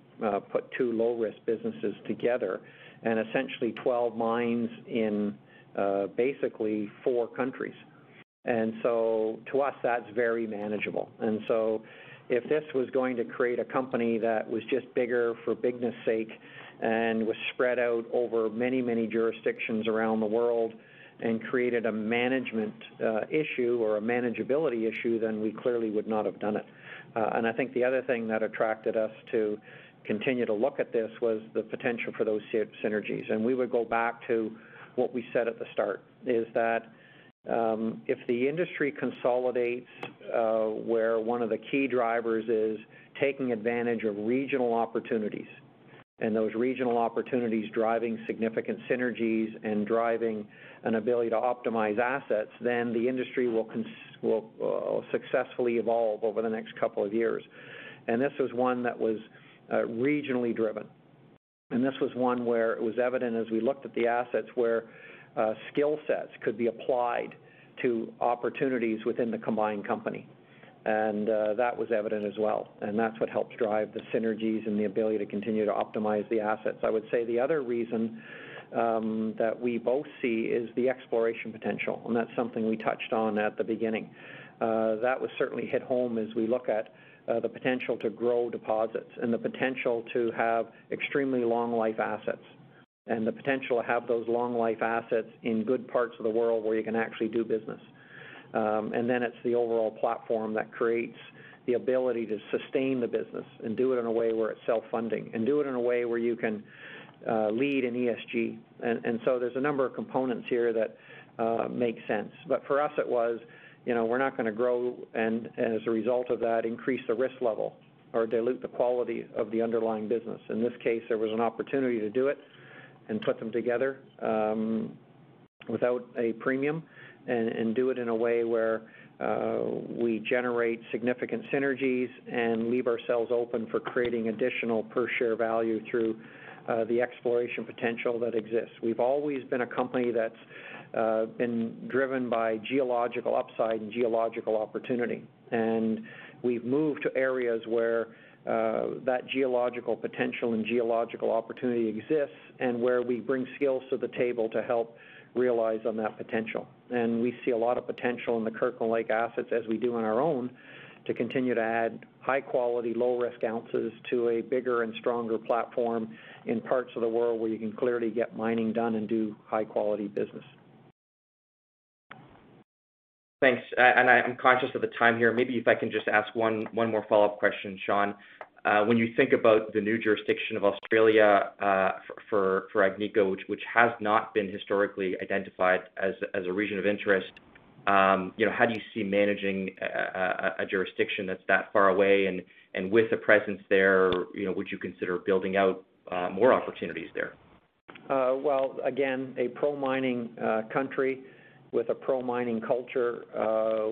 put two low risk businesses together and essentially 12 mines in basically four countries. To us, that's very manageable. If this was going to create a company that was just bigger for bigness sake and was spread out over many jurisdictions around the world and created a management issue or a manageability issue, then we clearly would not have done it. I think the other thing that attracted us to continue to look at this was the potential for those synergies. We would go back to what we said at the start, is that if the industry consolidates where one of the key drivers is taking advantage of regional opportunities, those regional opportunities driving significant synergies and driving an ability to optimize assets, then the industry will successfully evolve over the next couple of years. This was one that was regionally driven. This was one where it was evident as we looked at the assets, where skill sets could be applied to opportunities within the combined company. That was evident as well. That's what helps drive the synergies and the ability to continue to optimize the assets. I would say the other reason that we both see is the exploration potential, and that's something we touched on at the beginning. That was certainly hit home as we look at the potential to grow deposits and the potential to have extremely long life assets. The potential to have those long life assets in good parts of the world where you can actually do business. It's the overall platform that creates the ability to sustain the business and do it in a way where it's self-funding and do it in a way where you can lead in ESG. There's a number of components here that make sense. For us, it was, we're not going to grow and as a result of that, increase the risk level or dilute the quality of the underlying business. In this case, there was an opportunity to do it and put them together without a premium and do it in a way where we generate significant synergies and leave ourselves open for creating additional per share value through the exploration potential that exists. We've always been a company that's been driven by geological upside and geological opportunity. We've moved to areas where that geological potential and geological opportunity exists and where we bring skills to the table to help realize on that potential. We see a lot of potential in the Kirkland Lake assets as we do on our own, to continue to add high quality, low risk ounces to a bigger and stronger platform in parts of the world where you can clearly get mining done and do high quality business. Thanks. I'm conscious of the time here. Maybe if I can just ask one more follow-up question, Sean. When you think about the new jurisdiction of Australia, for Agnico, which has not been historically identified as a region of interest, how do you see managing a jurisdiction that's that far away? With a presence there, would you consider building out more opportunities there? Well, again, a pro-mining country with a pro-mining culture,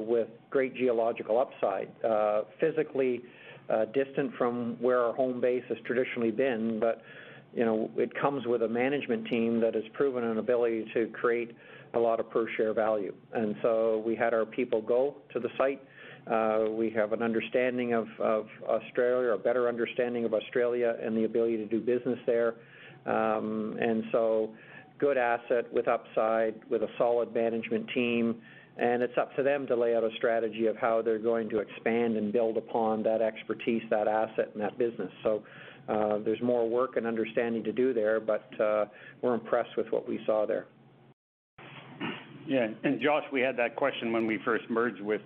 with great geological upside. Physically distant from where our home base has traditionally been, but it comes with a management team that has proven an ability to create a lot of per-share value. We had our people go to the site. We have an understanding of Australia, a better understanding of Australia, and the ability to do business there. Good asset with upside, with a solid management team, and it's up to them to lay out a strategy of how they're going to expand and build upon that expertise, that asset, and that business. There's more work and understanding to do there, but we're impressed with what we saw there. Yeah. Josh, we had that question when we first merged with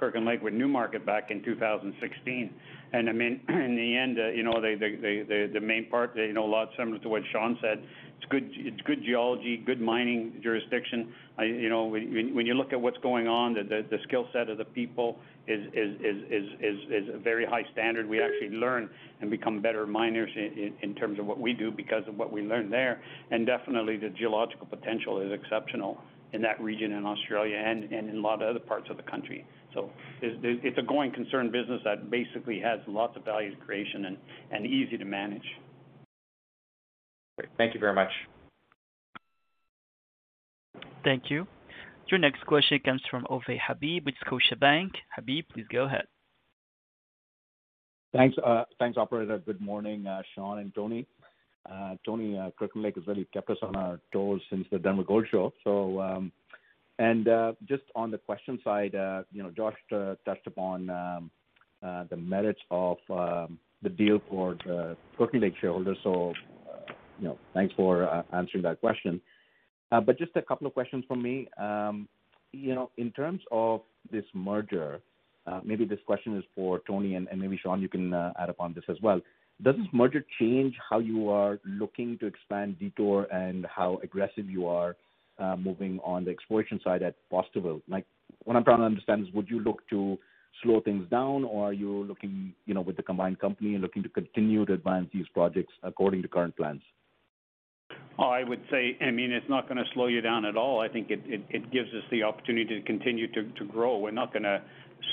Kirkland Lake with Newmarket Gold back in 2016. In the end, the main part, a lot similar to what Sean said, it's good geology, good mining jurisdiction. When you look at what's going on, the skill set of the people is a very high standard. We actually learn and become better miners in terms of what we do because of what we learn there. Definitely, the geological potential is exceptional in that region in Australia and in a lot of other parts of the country. It's a going concern business that basically has lots of value creation and easy to manage. Great. Thank you very much. Thank you. Your next question comes from Ovais Habib with Scotiabank. Habib, please go ahead. Thanks, operator. Good morning, Sean and Tony. Tony, Kirkland Lake has really kept us on our toes since the Denver Gold Show. Just on the question side, Josh touched upon the merits of the deal for Kirkland Lake shareholders, so thanks for answering that question. Just a couple of questions from me. In terms of this merger, maybe this question is for Tony, and maybe Sean, you can add upon this as well. Does this merger change how you are looking to expand Detour and how aggressive you are moving on the exploration side at Fosterville? What I'm trying to understand is, would you look to slow things down, or are you, with the combined company, looking to continue to advance these projects according to current plans? I would say, it's not going to slow you down at all. I think it gives us the opportunity to continue to grow. We're not going to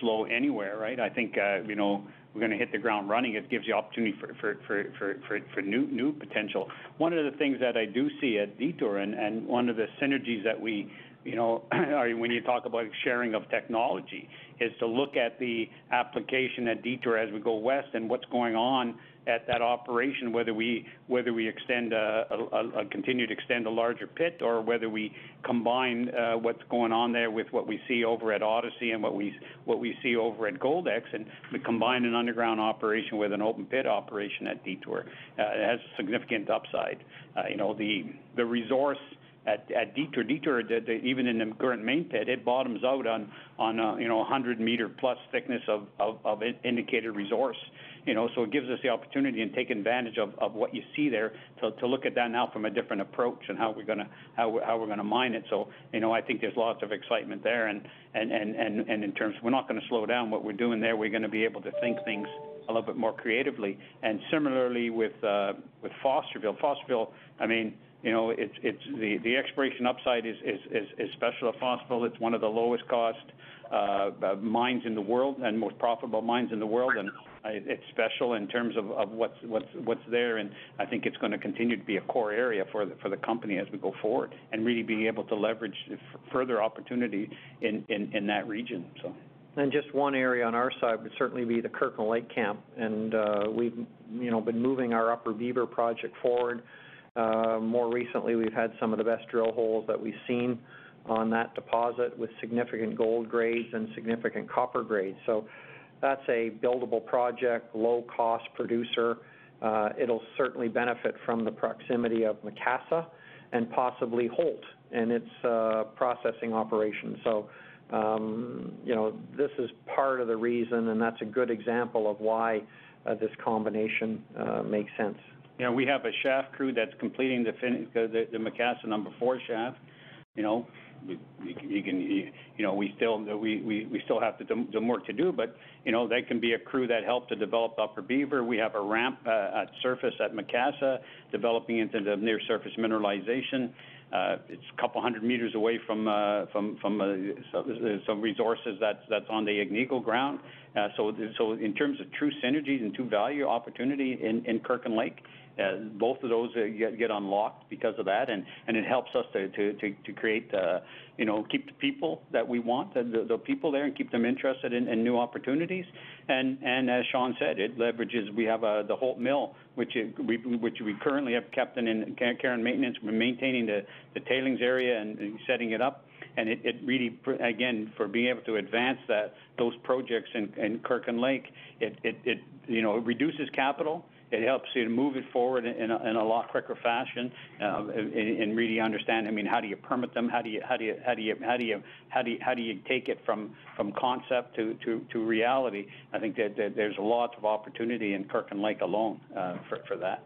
slow anywhere, right? I think we're going to hit the ground running. It gives the opportunity for new potential. One of the things that I do see at Detour and one of the synergies that we, when you talk about sharing of technology, is to look at the application at Detour as we go west and what's going on at that operation, whether we continue to extend a larger pit or whether we combine what's going on there with what we see over at Odyssey and what we see over at Goldex, and we combine an underground operation with an open-pit operation at Detour. It has significant upside. The resource at Detour, even in the current main pit, it bottoms out on 100 m+ thickness of indicated resource. It gives us the opportunity and taking advantage of what you see there to look at that now from a different approach and how we're going to mine it. I think there's lots of excitement there. In terms of we're not going to slow down what we're doing there. We're going to be able to think things a little bit more creatively. Similarly with Fosterville. Fosterville, the exploration upside is special at Fosterville. It's one of the lowest cost mines in the world and most profitable mines in the world, and it's special in terms of what's there, and I think it's going to continue to be a core area for the company as we go forward, and really being able to leverage further opportunity in that region. Just one area on our side would certainly be the Kirkland Lake camp. We've been moving our Upper Beaver project forward. More recently, we've had some of the best drill holes that we've seen on that deposit with significant gold grades and significant copper grades. That's a buildable project, low-cost producer. It'll certainly benefit from the proximity of Macassa and possibly Holt and its processing operation. This is part of the reason, and that's a good example of why this combination makes sense. We have a shaft crew that's completing the Macassa number four shaft. We still have the work to do, that can be a crew that helped to develop Upper Beaver. We have a ramp at surface at Macassa, developing into the near-surface mineralization. It's a couple 100 m away from some resources that's on the Agnico ground. In terms of true synergies and true value opportunity in Kirkland Lake, both of those get unlocked because of that, and it helps us to keep the people that we want, the people there, and keep them interested in new opportunities. As Sean said, it leverages, we have the Holt mill, which we currently have kept in care and maintenance. We're maintaining the tailings area and setting it up. It really, again, for being able to advance those projects in Kirkland Lake, it reduces capital. It helps you to move it forward in a lot quicker fashion, really understand, how do you permit them? How do you take it from concept to reality? I think that there's lots of opportunity in Kirkland Lake alone for that.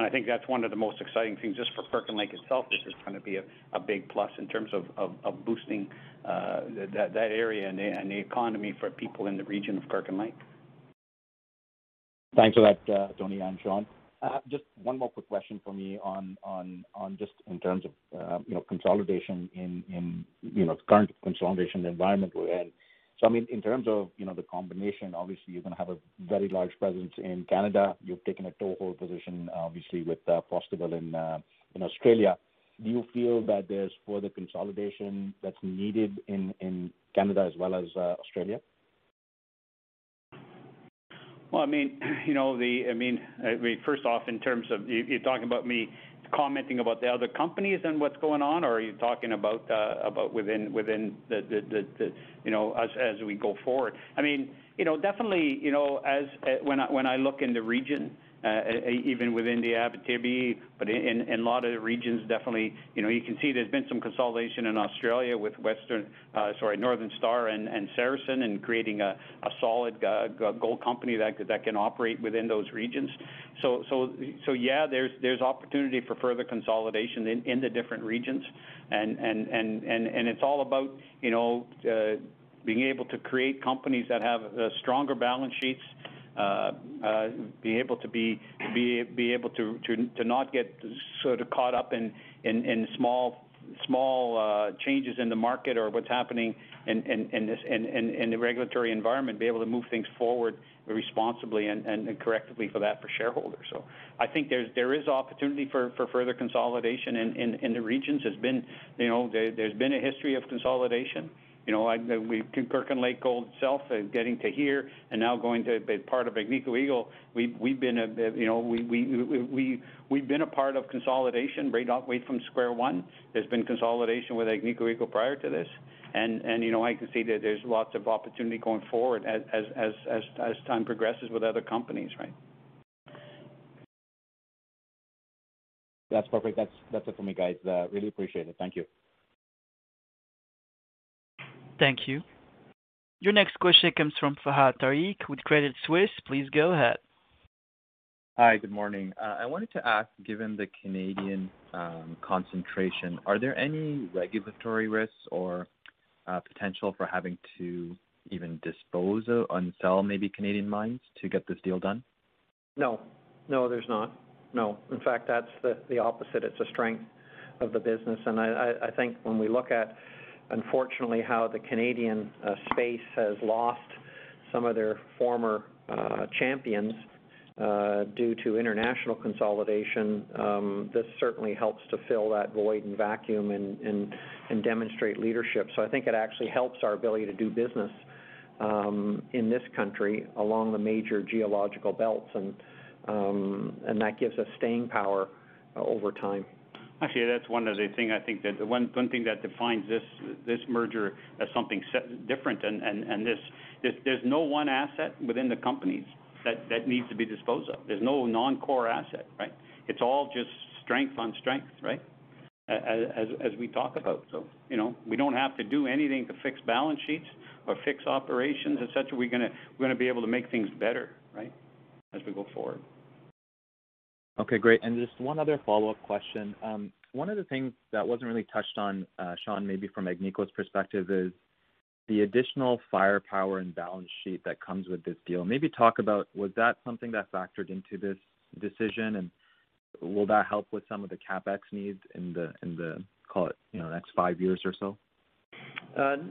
I think that's one of the most exciting things, just for Kirkland Lake itself, this is going to be a big plus in terms of boosting that area and the economy for people in the region of Kirkland Lake. Thanks for that, Tony and Sean. Just one more quick question from me on, just in terms of consolidation in the current consolidation environment we're in. In terms of the combination, obviously you're going to have a very large presence in Canada. You've taken a toehold position, obviously, with Fosterville in Australia. Do you feel that there's further consolidation that's needed in Canada as well as Australia? Well, first off, in terms of, you're talking about me commenting about the other companies and what's going on, or are you talking about within us as we go forward? Definitely, when I look in the region, even within the Abitibi, but in a lot of the regions, definitely, you can see there's been some consolidation in Australia with Northern Star and Saracen in creating a solid gold company that can operate within those regions. Yeah, there's opportunity for further consolidation in the different regions, and it's all about being able to create companies that have stronger balance sheets, being able to not get sort of caught up in small changes in the market or what's happening in the regulatory environment, be able to move things forward responsibly and correctly for shareholders. I think there is opportunity for further consolidation in the regions. There's been a history of consolidation. With Kirkland Lake Gold itself, getting to here, and now going to be part of Agnico Eagle, we've been a part of consolidation right from square one. There's been consolidation with Agnico Eagle prior to this. I can see that there's lots of opportunity going forward as time progresses with other companies, right? That's perfect. That's it for me, guys. Really appreciate it. Thank you. Thank you. Your next question comes from Fahad Tariq with Credit Suisse. Please go ahead. Hi. Good morning. I wanted to ask, given the Canadian concentration, are there any regulatory risks or potential for having to even dispose of, and sell maybe Canadian mines to get this deal done? No. No, there's not. No. In fact, that's the opposite. It's a strength of the business, and I think when we look at, unfortunately, how the Canadian space has lost some of their former champions due to international consolidation, this certainly helps to fill that void and vacuum and demonstrate leadership. I think it actually helps our ability to do business in this country along the major geological belts, and that gives us staying power over time. Actually, that's one of the things, I think, that defines this merger as something different, and there's no one asset within the companies that needs to be disposed of. There's no non-core asset, right? It's all just strength on strength, right? As we talk about. We don't have to do anything to fix balance sheets or fix operations as such. We're going to be able to make things better, right, as we go forward. Okay, great. Just one other follow-up question. One of the things that wasn't really touched on, Sean, maybe from Agnico's perspective is the additional firepower and balance sheet that comes with this deal. Maybe talk about, was that something that factored into this decision, and will that help with some of the CapEx needs in the, call it, next five years or so?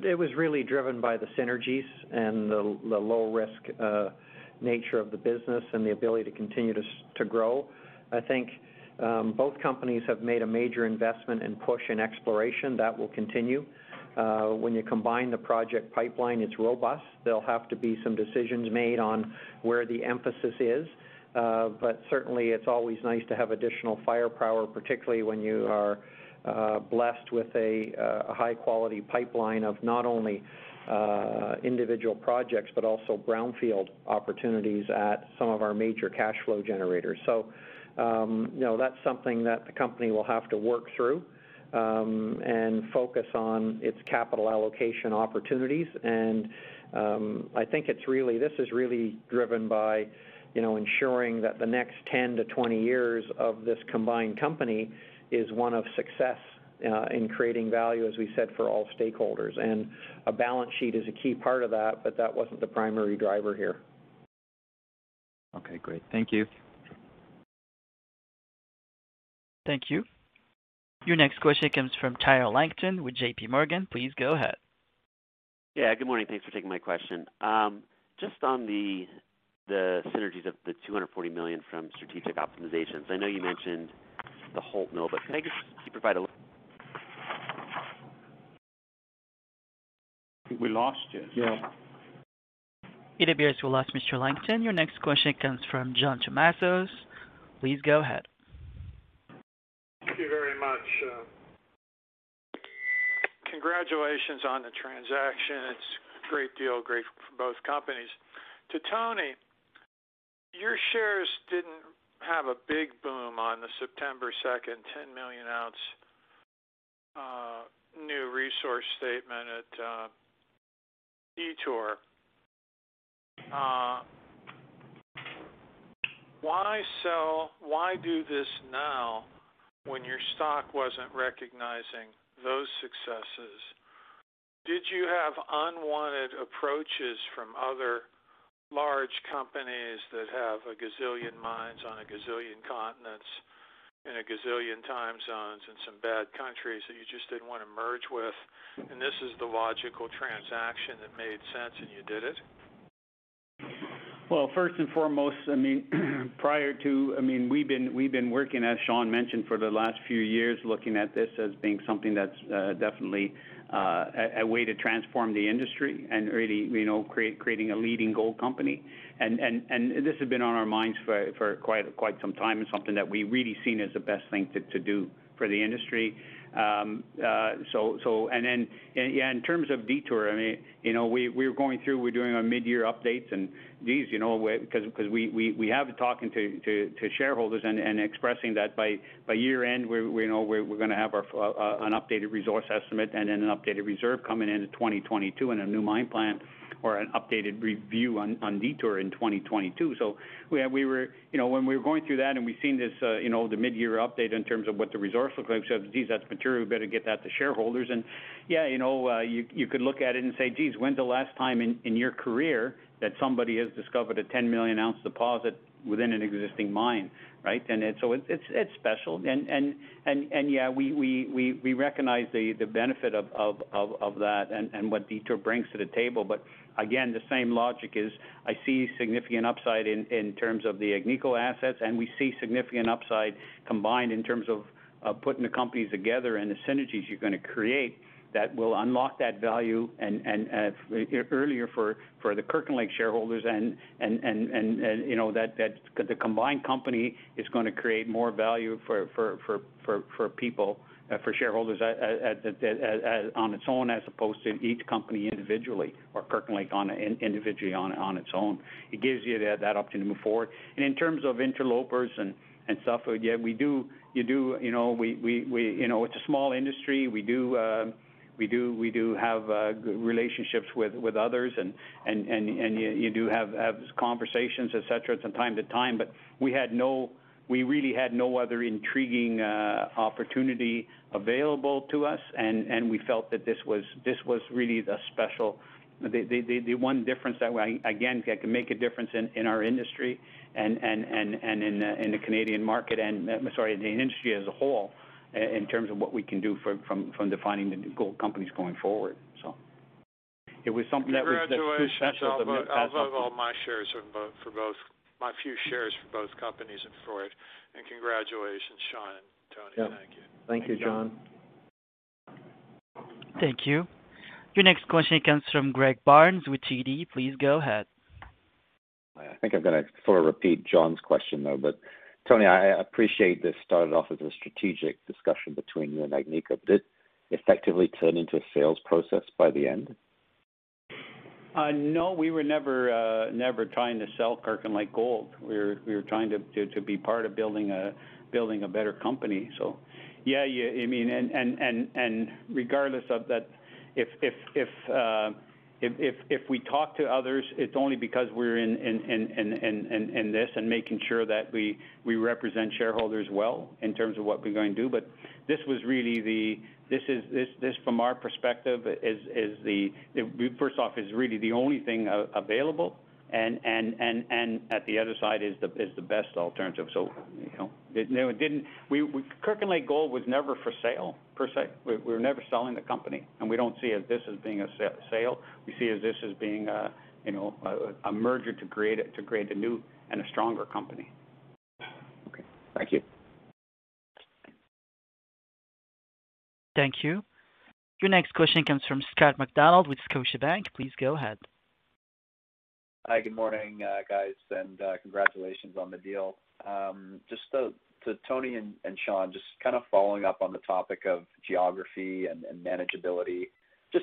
It was really driven by the synergies and the low-risk nature of the business and the ability to continue to grow. I think both companies have made a major investment and push in exploration. That will continue. When you combine the project pipeline, it's robust. There'll have to be some decisions made on where the emphasis is. Certainly, it's always nice to have additional firepower, particularly when you are blessed with a high-quality pipeline of not only individual projects, but also brownfield opportunities at some of our major cash flow generators. That's something that the company will have to work through, and focus on its capital allocation opportunities. I think this is really driven by ensuring that the next 10-20 years of this combined company is one of success in creating value, as we said, for all stakeholders. A balance sheet is a key part of that, but that wasn't the primary driver here. Okay, great. Thank you. Thank you. Your next question comes from Tyler Langton with JPMorgan. Please go ahead. Yeah, good morning. Thanks for taking my question. Just on the synergies of the 240 million from strategic optimizations. I know you mentioned the Holt mill, but could I just provide a little I think we lost him. Yeah. It appears we lost Mr. Langton. Your next question comes from John Tumazos. Please go ahead. Thank you very much. Congratulations on the transaction. It's a great deal, great for both companies. To Tony, your shares didn't have a big boom on the September 2nd, 10 million ounce new resource statement at Detour. Why do this now when your stock wasn't recognizing those successes? Did you have unwanted approaches from other large companies that have a gazillion mines on a gazillion continents in a gazillion time zones and some bad countries that you just didn't want to merge with, and this is the logical transaction that made sense, and you did it? Well, first and foremost, we've been working, as Sean mentioned, for the last few years, looking at this as being something that's definitely a way to transform the industry and really creating a leading gold company. This has been on our minds for quite some time and something that we've really seen as the best thing to do for the industry. In terms of Detour, we're going through, we're doing our mid-year updates and these, because we have been talking to shareholders and expressing that by year-end, we're going to have an updated resource estimate and then an updated reserve coming into 2022 and a new mine plan or an updated review on Detour in 2022. When we were going through that and we've seen the mid-year update in terms of what the resource looks like, we said, "Geez, that's material. We better get that to shareholders." You could look at it and say, "Geez, when's the last time in your career that somebody has discovered a 10-million-ounce deposit within an existing mine?" So it's special. We recognize the benefit of that and what Detour brings to the table. Again, the same logic is I see significant upside in terms of the Agnico assets, and we see significant upside combined in terms of putting the companies together and the synergies you're going to create that will unlock that value and earlier for the Kirkland Lake shareholders and that the combined company is going to create more value for shareholders on its own, as opposed to each company individually or Kirkland individually on its own. It gives you that opportunity to move forward. In terms of interlopers and stuff, it's a small industry. We do have good relationships with others and you do have conversations, et cetera, from time to time, but we really had no other intriguing opportunity available to us, and we felt that this was really the special, the one difference that, again, can make a difference in our industry and in the Canadian market, and, sorry, the industry as a whole, in terms of what we can do from defining the gold companies going forward. It was something that was pretty special. Congratulations. I'll vote all my few shares for both companies and for it. Congratulations, Sean and Tony. Thank you. Thank you, John. Thank you. Your next question comes from Greg Barnes with TD. Please go ahead. I think I'm going to sort of repeat John's question, though. Tony, I appreciate this started off as a strategic discussion between you and Agnico. Did it effectively turn into a sales process by the end? No, we were never trying to sell Kirkland Lake Gold. We were trying to be part of building a better company. Regardless of that, if we talk to others, it's only because we're in this and making sure that we represent shareholders well in terms of what we're going to do, but this from our perspective, first off, is really the only thing available and at the other side is the best alternative. Kirkland Lake Gold was never for sale, per se. We were never selling the company, and we don't see this as being a sale. We see this as being a merger to create a new and a stronger company. Okay. Thank you. Thank you. Your next question comes from Scott MacDonald with Scotiabank. Please go ahead. Hi. Good morning, guys, Congratulations on the deal. To Tony and Sean, following up on the topic of geography and manageability,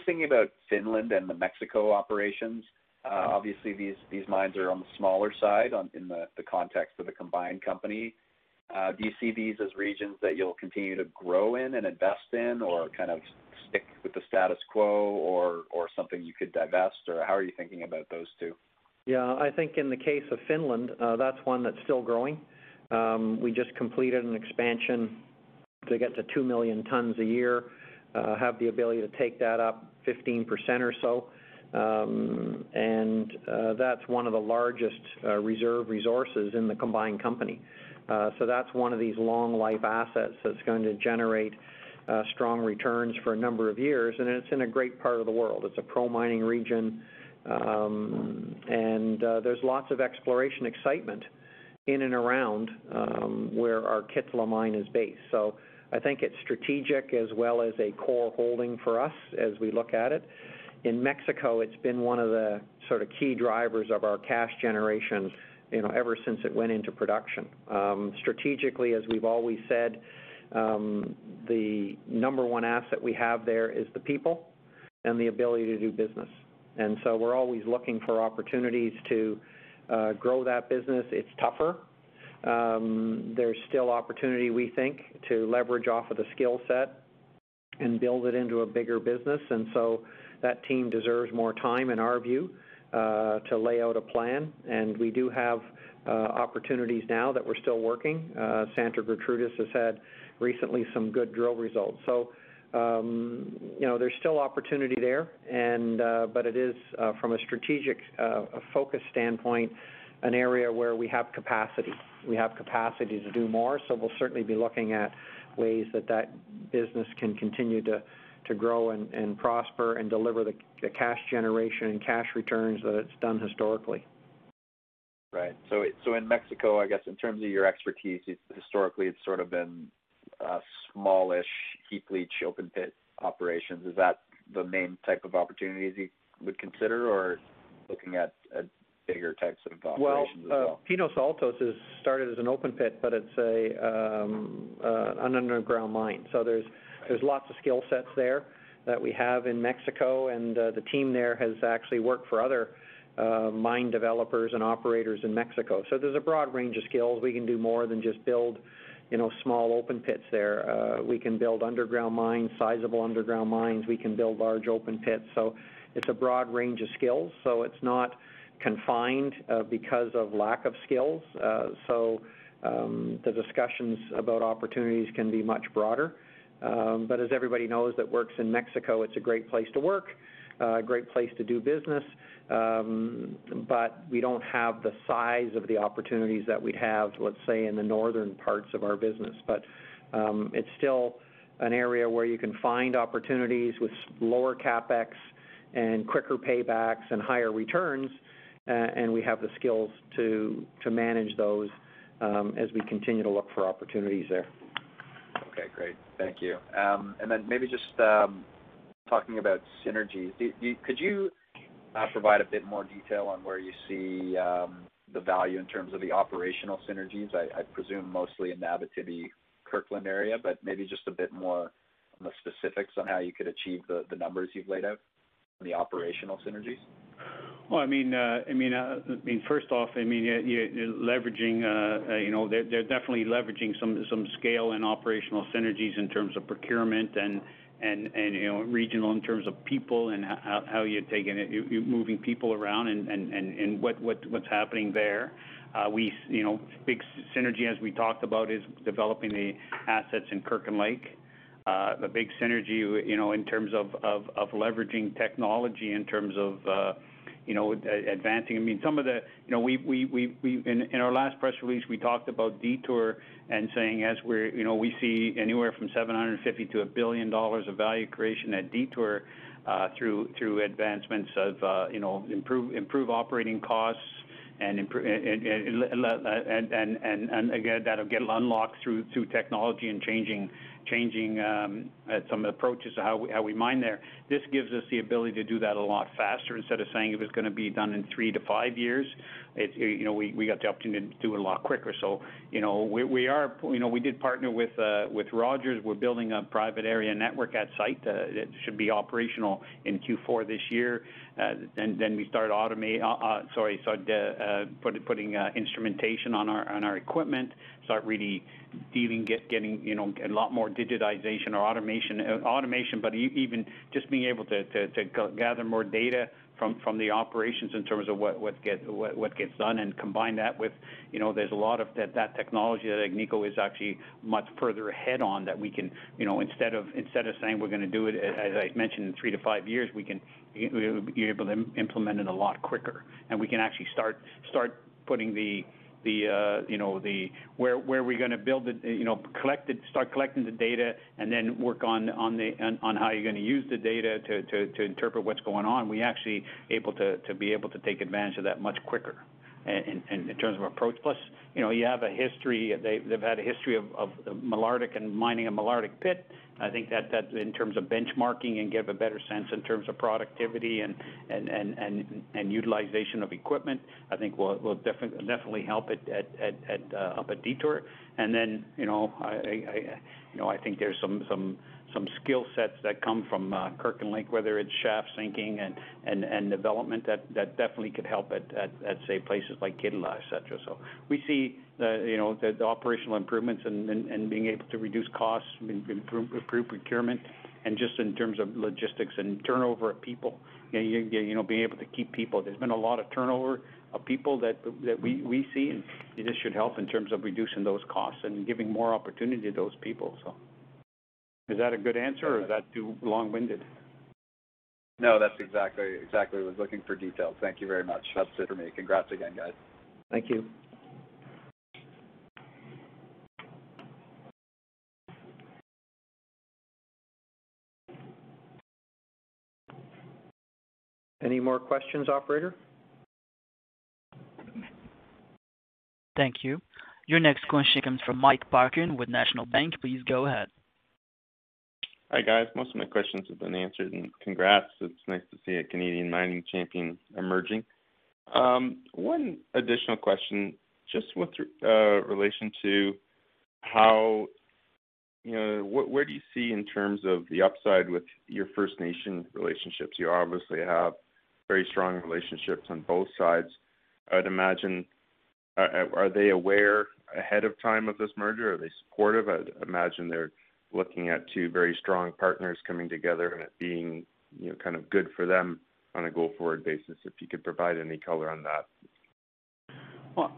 thinking about Finland and the Mexico operations. Obviously, these mines are on the smaller side in the context of the combined company. Do you see these as regions that you'll continue to grow in and invest in or stick with the status quo or something you could divest, or how are you thinking about those two? Yeah, I think in the case of Finland, that's one that's still growing. We just completed an expansion to get to 2 million tons a year, have the ability to take that up 15% or so. That's one of the largest reserve resources in the combined company. That's one of these long life assets that's going to generate strong returns for a number of years, and it's in a great part of the world. It's a pro-mining region, and there's lots of exploration excitement in and around where our Kittilä mine is based. I think it's strategic as well as a core holding for us as we look at it. In Mexico, it's been one of the key drivers of our cash generation ever since it went into production. Strategically, as we've always said, the number one asset we have there is the people The ability to do business. We're always looking for opportunities to grow that business. It's tougher. There's still opportunity, we think, to leverage off of the skill set and build it into a bigger business. That team deserves more time, in our view, to lay out a plan. We do have opportunities now that we're still working. Santa Gertrudis has had, recently, some good drill results. There's still opportunity there. It is, from a strategic focus standpoint, an area where we have capacity. We have capacity to do more, so we'll certainly be looking at ways that that business can continue to grow and prosper, and deliver the cash generation and cash returns that it's done historically. Right. In Mexico, I guess in terms of your expertise, historically, it's sort of been a smallish heap leach open pit operations. Is that the main type of opportunities you would consider, or looking at bigger types of operations as well? Well, Pinos Altos has started as an open pit, but it's an underground mine. Right There's lots of skill sets there that we have in Mexico. The team there has actually worked for other mine developers and operators in Mexico. There's a broad range of skills. We can do more than just build small open pits there. We can build underground mines, sizable underground mines. We can build large open pits. It's a broad range of skills. It's not confined because of lack of skills. The discussions about opportunities can be much broader. As everybody knows that works in Mexico, it's a great place to work, a great place to do business. We don't have the size of the opportunities that we'd have, let's say, in the northern parts of our business. It's still an area where you can find opportunities with lower CapEx and quicker paybacks and higher returns, and we have the skills to manage those as we continue to look for opportunities there. Okay, great. Thank you. Maybe just talking about synergy. Could you provide a bit more detail on where you see the value in terms of the operational synergies? I presume mostly in the Abitibi, Kirkland area, maybe just a bit more on the specifics on how you could achieve the numbers you've laid out on the operational synergies. First off, they're definitely leveraging some scale and operational synergies in terms of procurement and regional, in terms of people and how you're moving people around and what's happening there. Big synergy, as we talked about, is developing the assets in Kirkland Lake. The big synergy in terms of leveraging technology. In our last press release, we talked about Detour and saying as we see anywhere from 750 million-1 billion dollars of value creation at Detour, through advancements of improve operating costs and again, that will get unlocked through technology and changing some approaches to how we mine there. This gives us the ability to do that a lot faster. Instead of saying if it's going to be done in 3-5 years, we got the opportunity to do it a lot quicker. We did partner with Rogers. We're building a private area network at site, that should be operational in Q4 this year. We start putting instrumentation on our equipment. Start really getting a lot more digitization or automation. Even just being able to gather more data from the operations in terms of what gets done and combine that with, there's a lot of that technology that Agnico is actually much further ahead on that we can, instead of saying we're going to do it, as I mentioned, in three to five years, we're able to implement it a lot quicker. We can actually start collecting the data and work on how you're going to use the data to interpret what's going on. We are actually able to take advantage of that much quicker in terms of approach. They've had a history of Malartic and mining at Malartic pit, and I think that in terms of benchmarking and give a better sense in terms of productivity and utilization of equipment, I think will definitely help up at Detour. I think there's some skill sets that come from Kirkland Lake, whether it's shaft sinking and development that definitely could help at, say, places like Kittilä, et cetera. We see the operational improvements and being able to reduce costs, improve procurement and just in terms of logistics and turnover of people, being able to keep people. There's been a lot of turnover of people that we see, and this should help in terms of reducing those costs and giving more opportunity to those people. Is that a good answer or is that too long-winded? No, that's exactly. I was looking for details. Thank you very much. That's it for me. Congrats again, guys. Thank you. Any more questions, operator? Thank you. Your next question comes from Mike Parkin with National Bank. Please go ahead. Hi, guys. Most of my questions have been answered, congrats. It's nice to see a Canadian mining champion emerging. One additional question, just with relation to where do you see in terms of the upside with your First Nation relationships? You obviously have very strong relationships on both sides. Are they aware ahead of time of this merger? Are they supportive? They're looking at two very strong partners coming together and it being good for them on a go-forward basis. If you could provide any color on that. I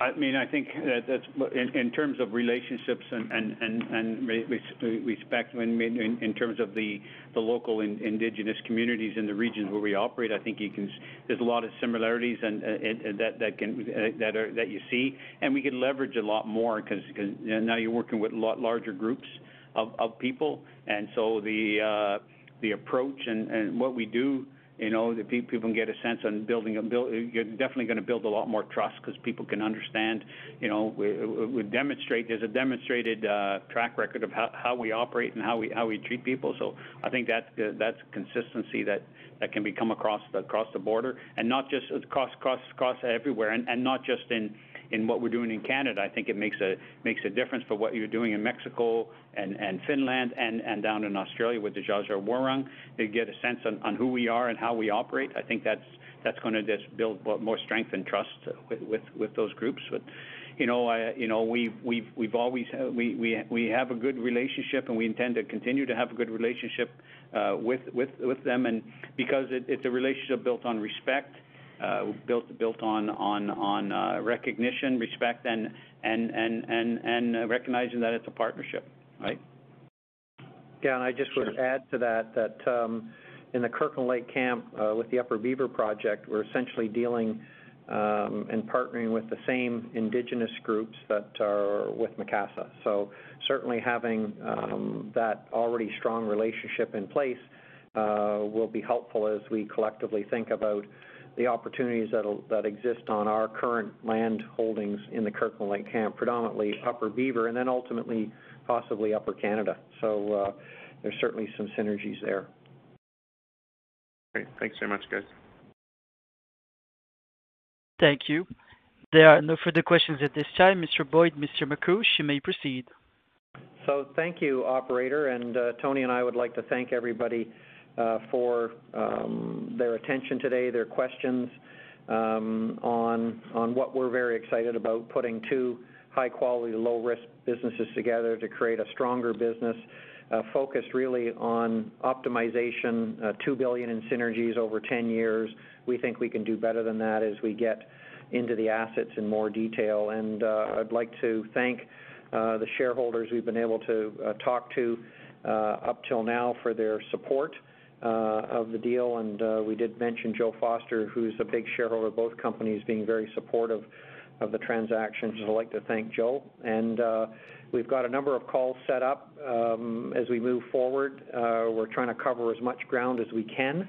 think that in terms of relationships and respect in terms of the local indigenous communities in the regions where we operate, I think there's a lot of similarities that you see, and we can leverage a lot more because now you're working with a lot larger groups of people. The approach and what we do, the people can get a sense on, you're definitely going to build a lot more trust because people can understand, there's a demonstrated track record of how we operate and how we treat people. I think that's consistency that can come across the border and across everywhere and not just in what we're doing in Canada. I think it makes a difference for what you're doing in Mexico and Finland and down in Australia with the Dja Dja Wurrung. They get a sense on who we are and how we operate. I think that's going to just build more strength and trust with those groups. We have a good relationship, and we intend to continue to have a good relationship with them because it's a relationship built on respect, built on recognition, and recognizing that it's a partnership, right? Yeah, I just would add to that in the Kirkland Lake camp, with the Upper Beaver Project, we're essentially dealing, and partnering with the same indigenous groups that are with Macassa. Certainly having that already strong relationship in place will be helpful as we collectively think about the opportunities that exist on our current land holdings in the Kirkland Lake camp, predominantly Upper Beaver, and then ultimately possibly Upper Canada. There's certainly some synergies there. Great. Thanks very much, guys. Thank you. There are no further questions at this time. Mr. Boyd, Mr. Makuch, you may proceed. Thank you, operator. Tony and I would like to thank everybody for their attention today, their questions, on what we're very excited about, putting two high quality, low risk businesses together to create a stronger business, focused really on optimization, 2 billion in synergies over 10 years. We think we can do better than that as we get into the assets in more detail. I'd like to thank the shareholders we've been able to talk to up till now for their support of the deal. We did mention Joe Foster, who's a big shareholder of both companies being very supportive of the transaction. I'd like to thank Joe. We've got a number of calls set up, as we move forward. We're trying to cover as much ground as we can.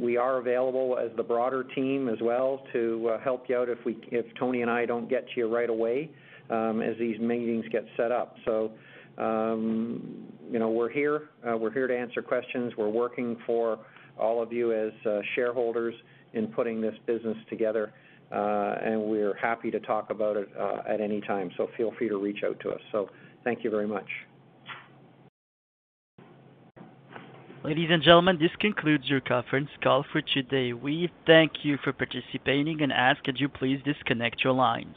We are available as the broader team as well to help you out if Tony and I don't get to you right away, as these meetings get set up. We're here to answer questions. We're working for all of you as shareholders in putting this business together. We're happy to talk about it at any time. Feel free to reach out to us. Thank you very much. Ladies and gentlemen, this concludes your conference call for today. We thank you for participating and ask, could you please disconnect your lines?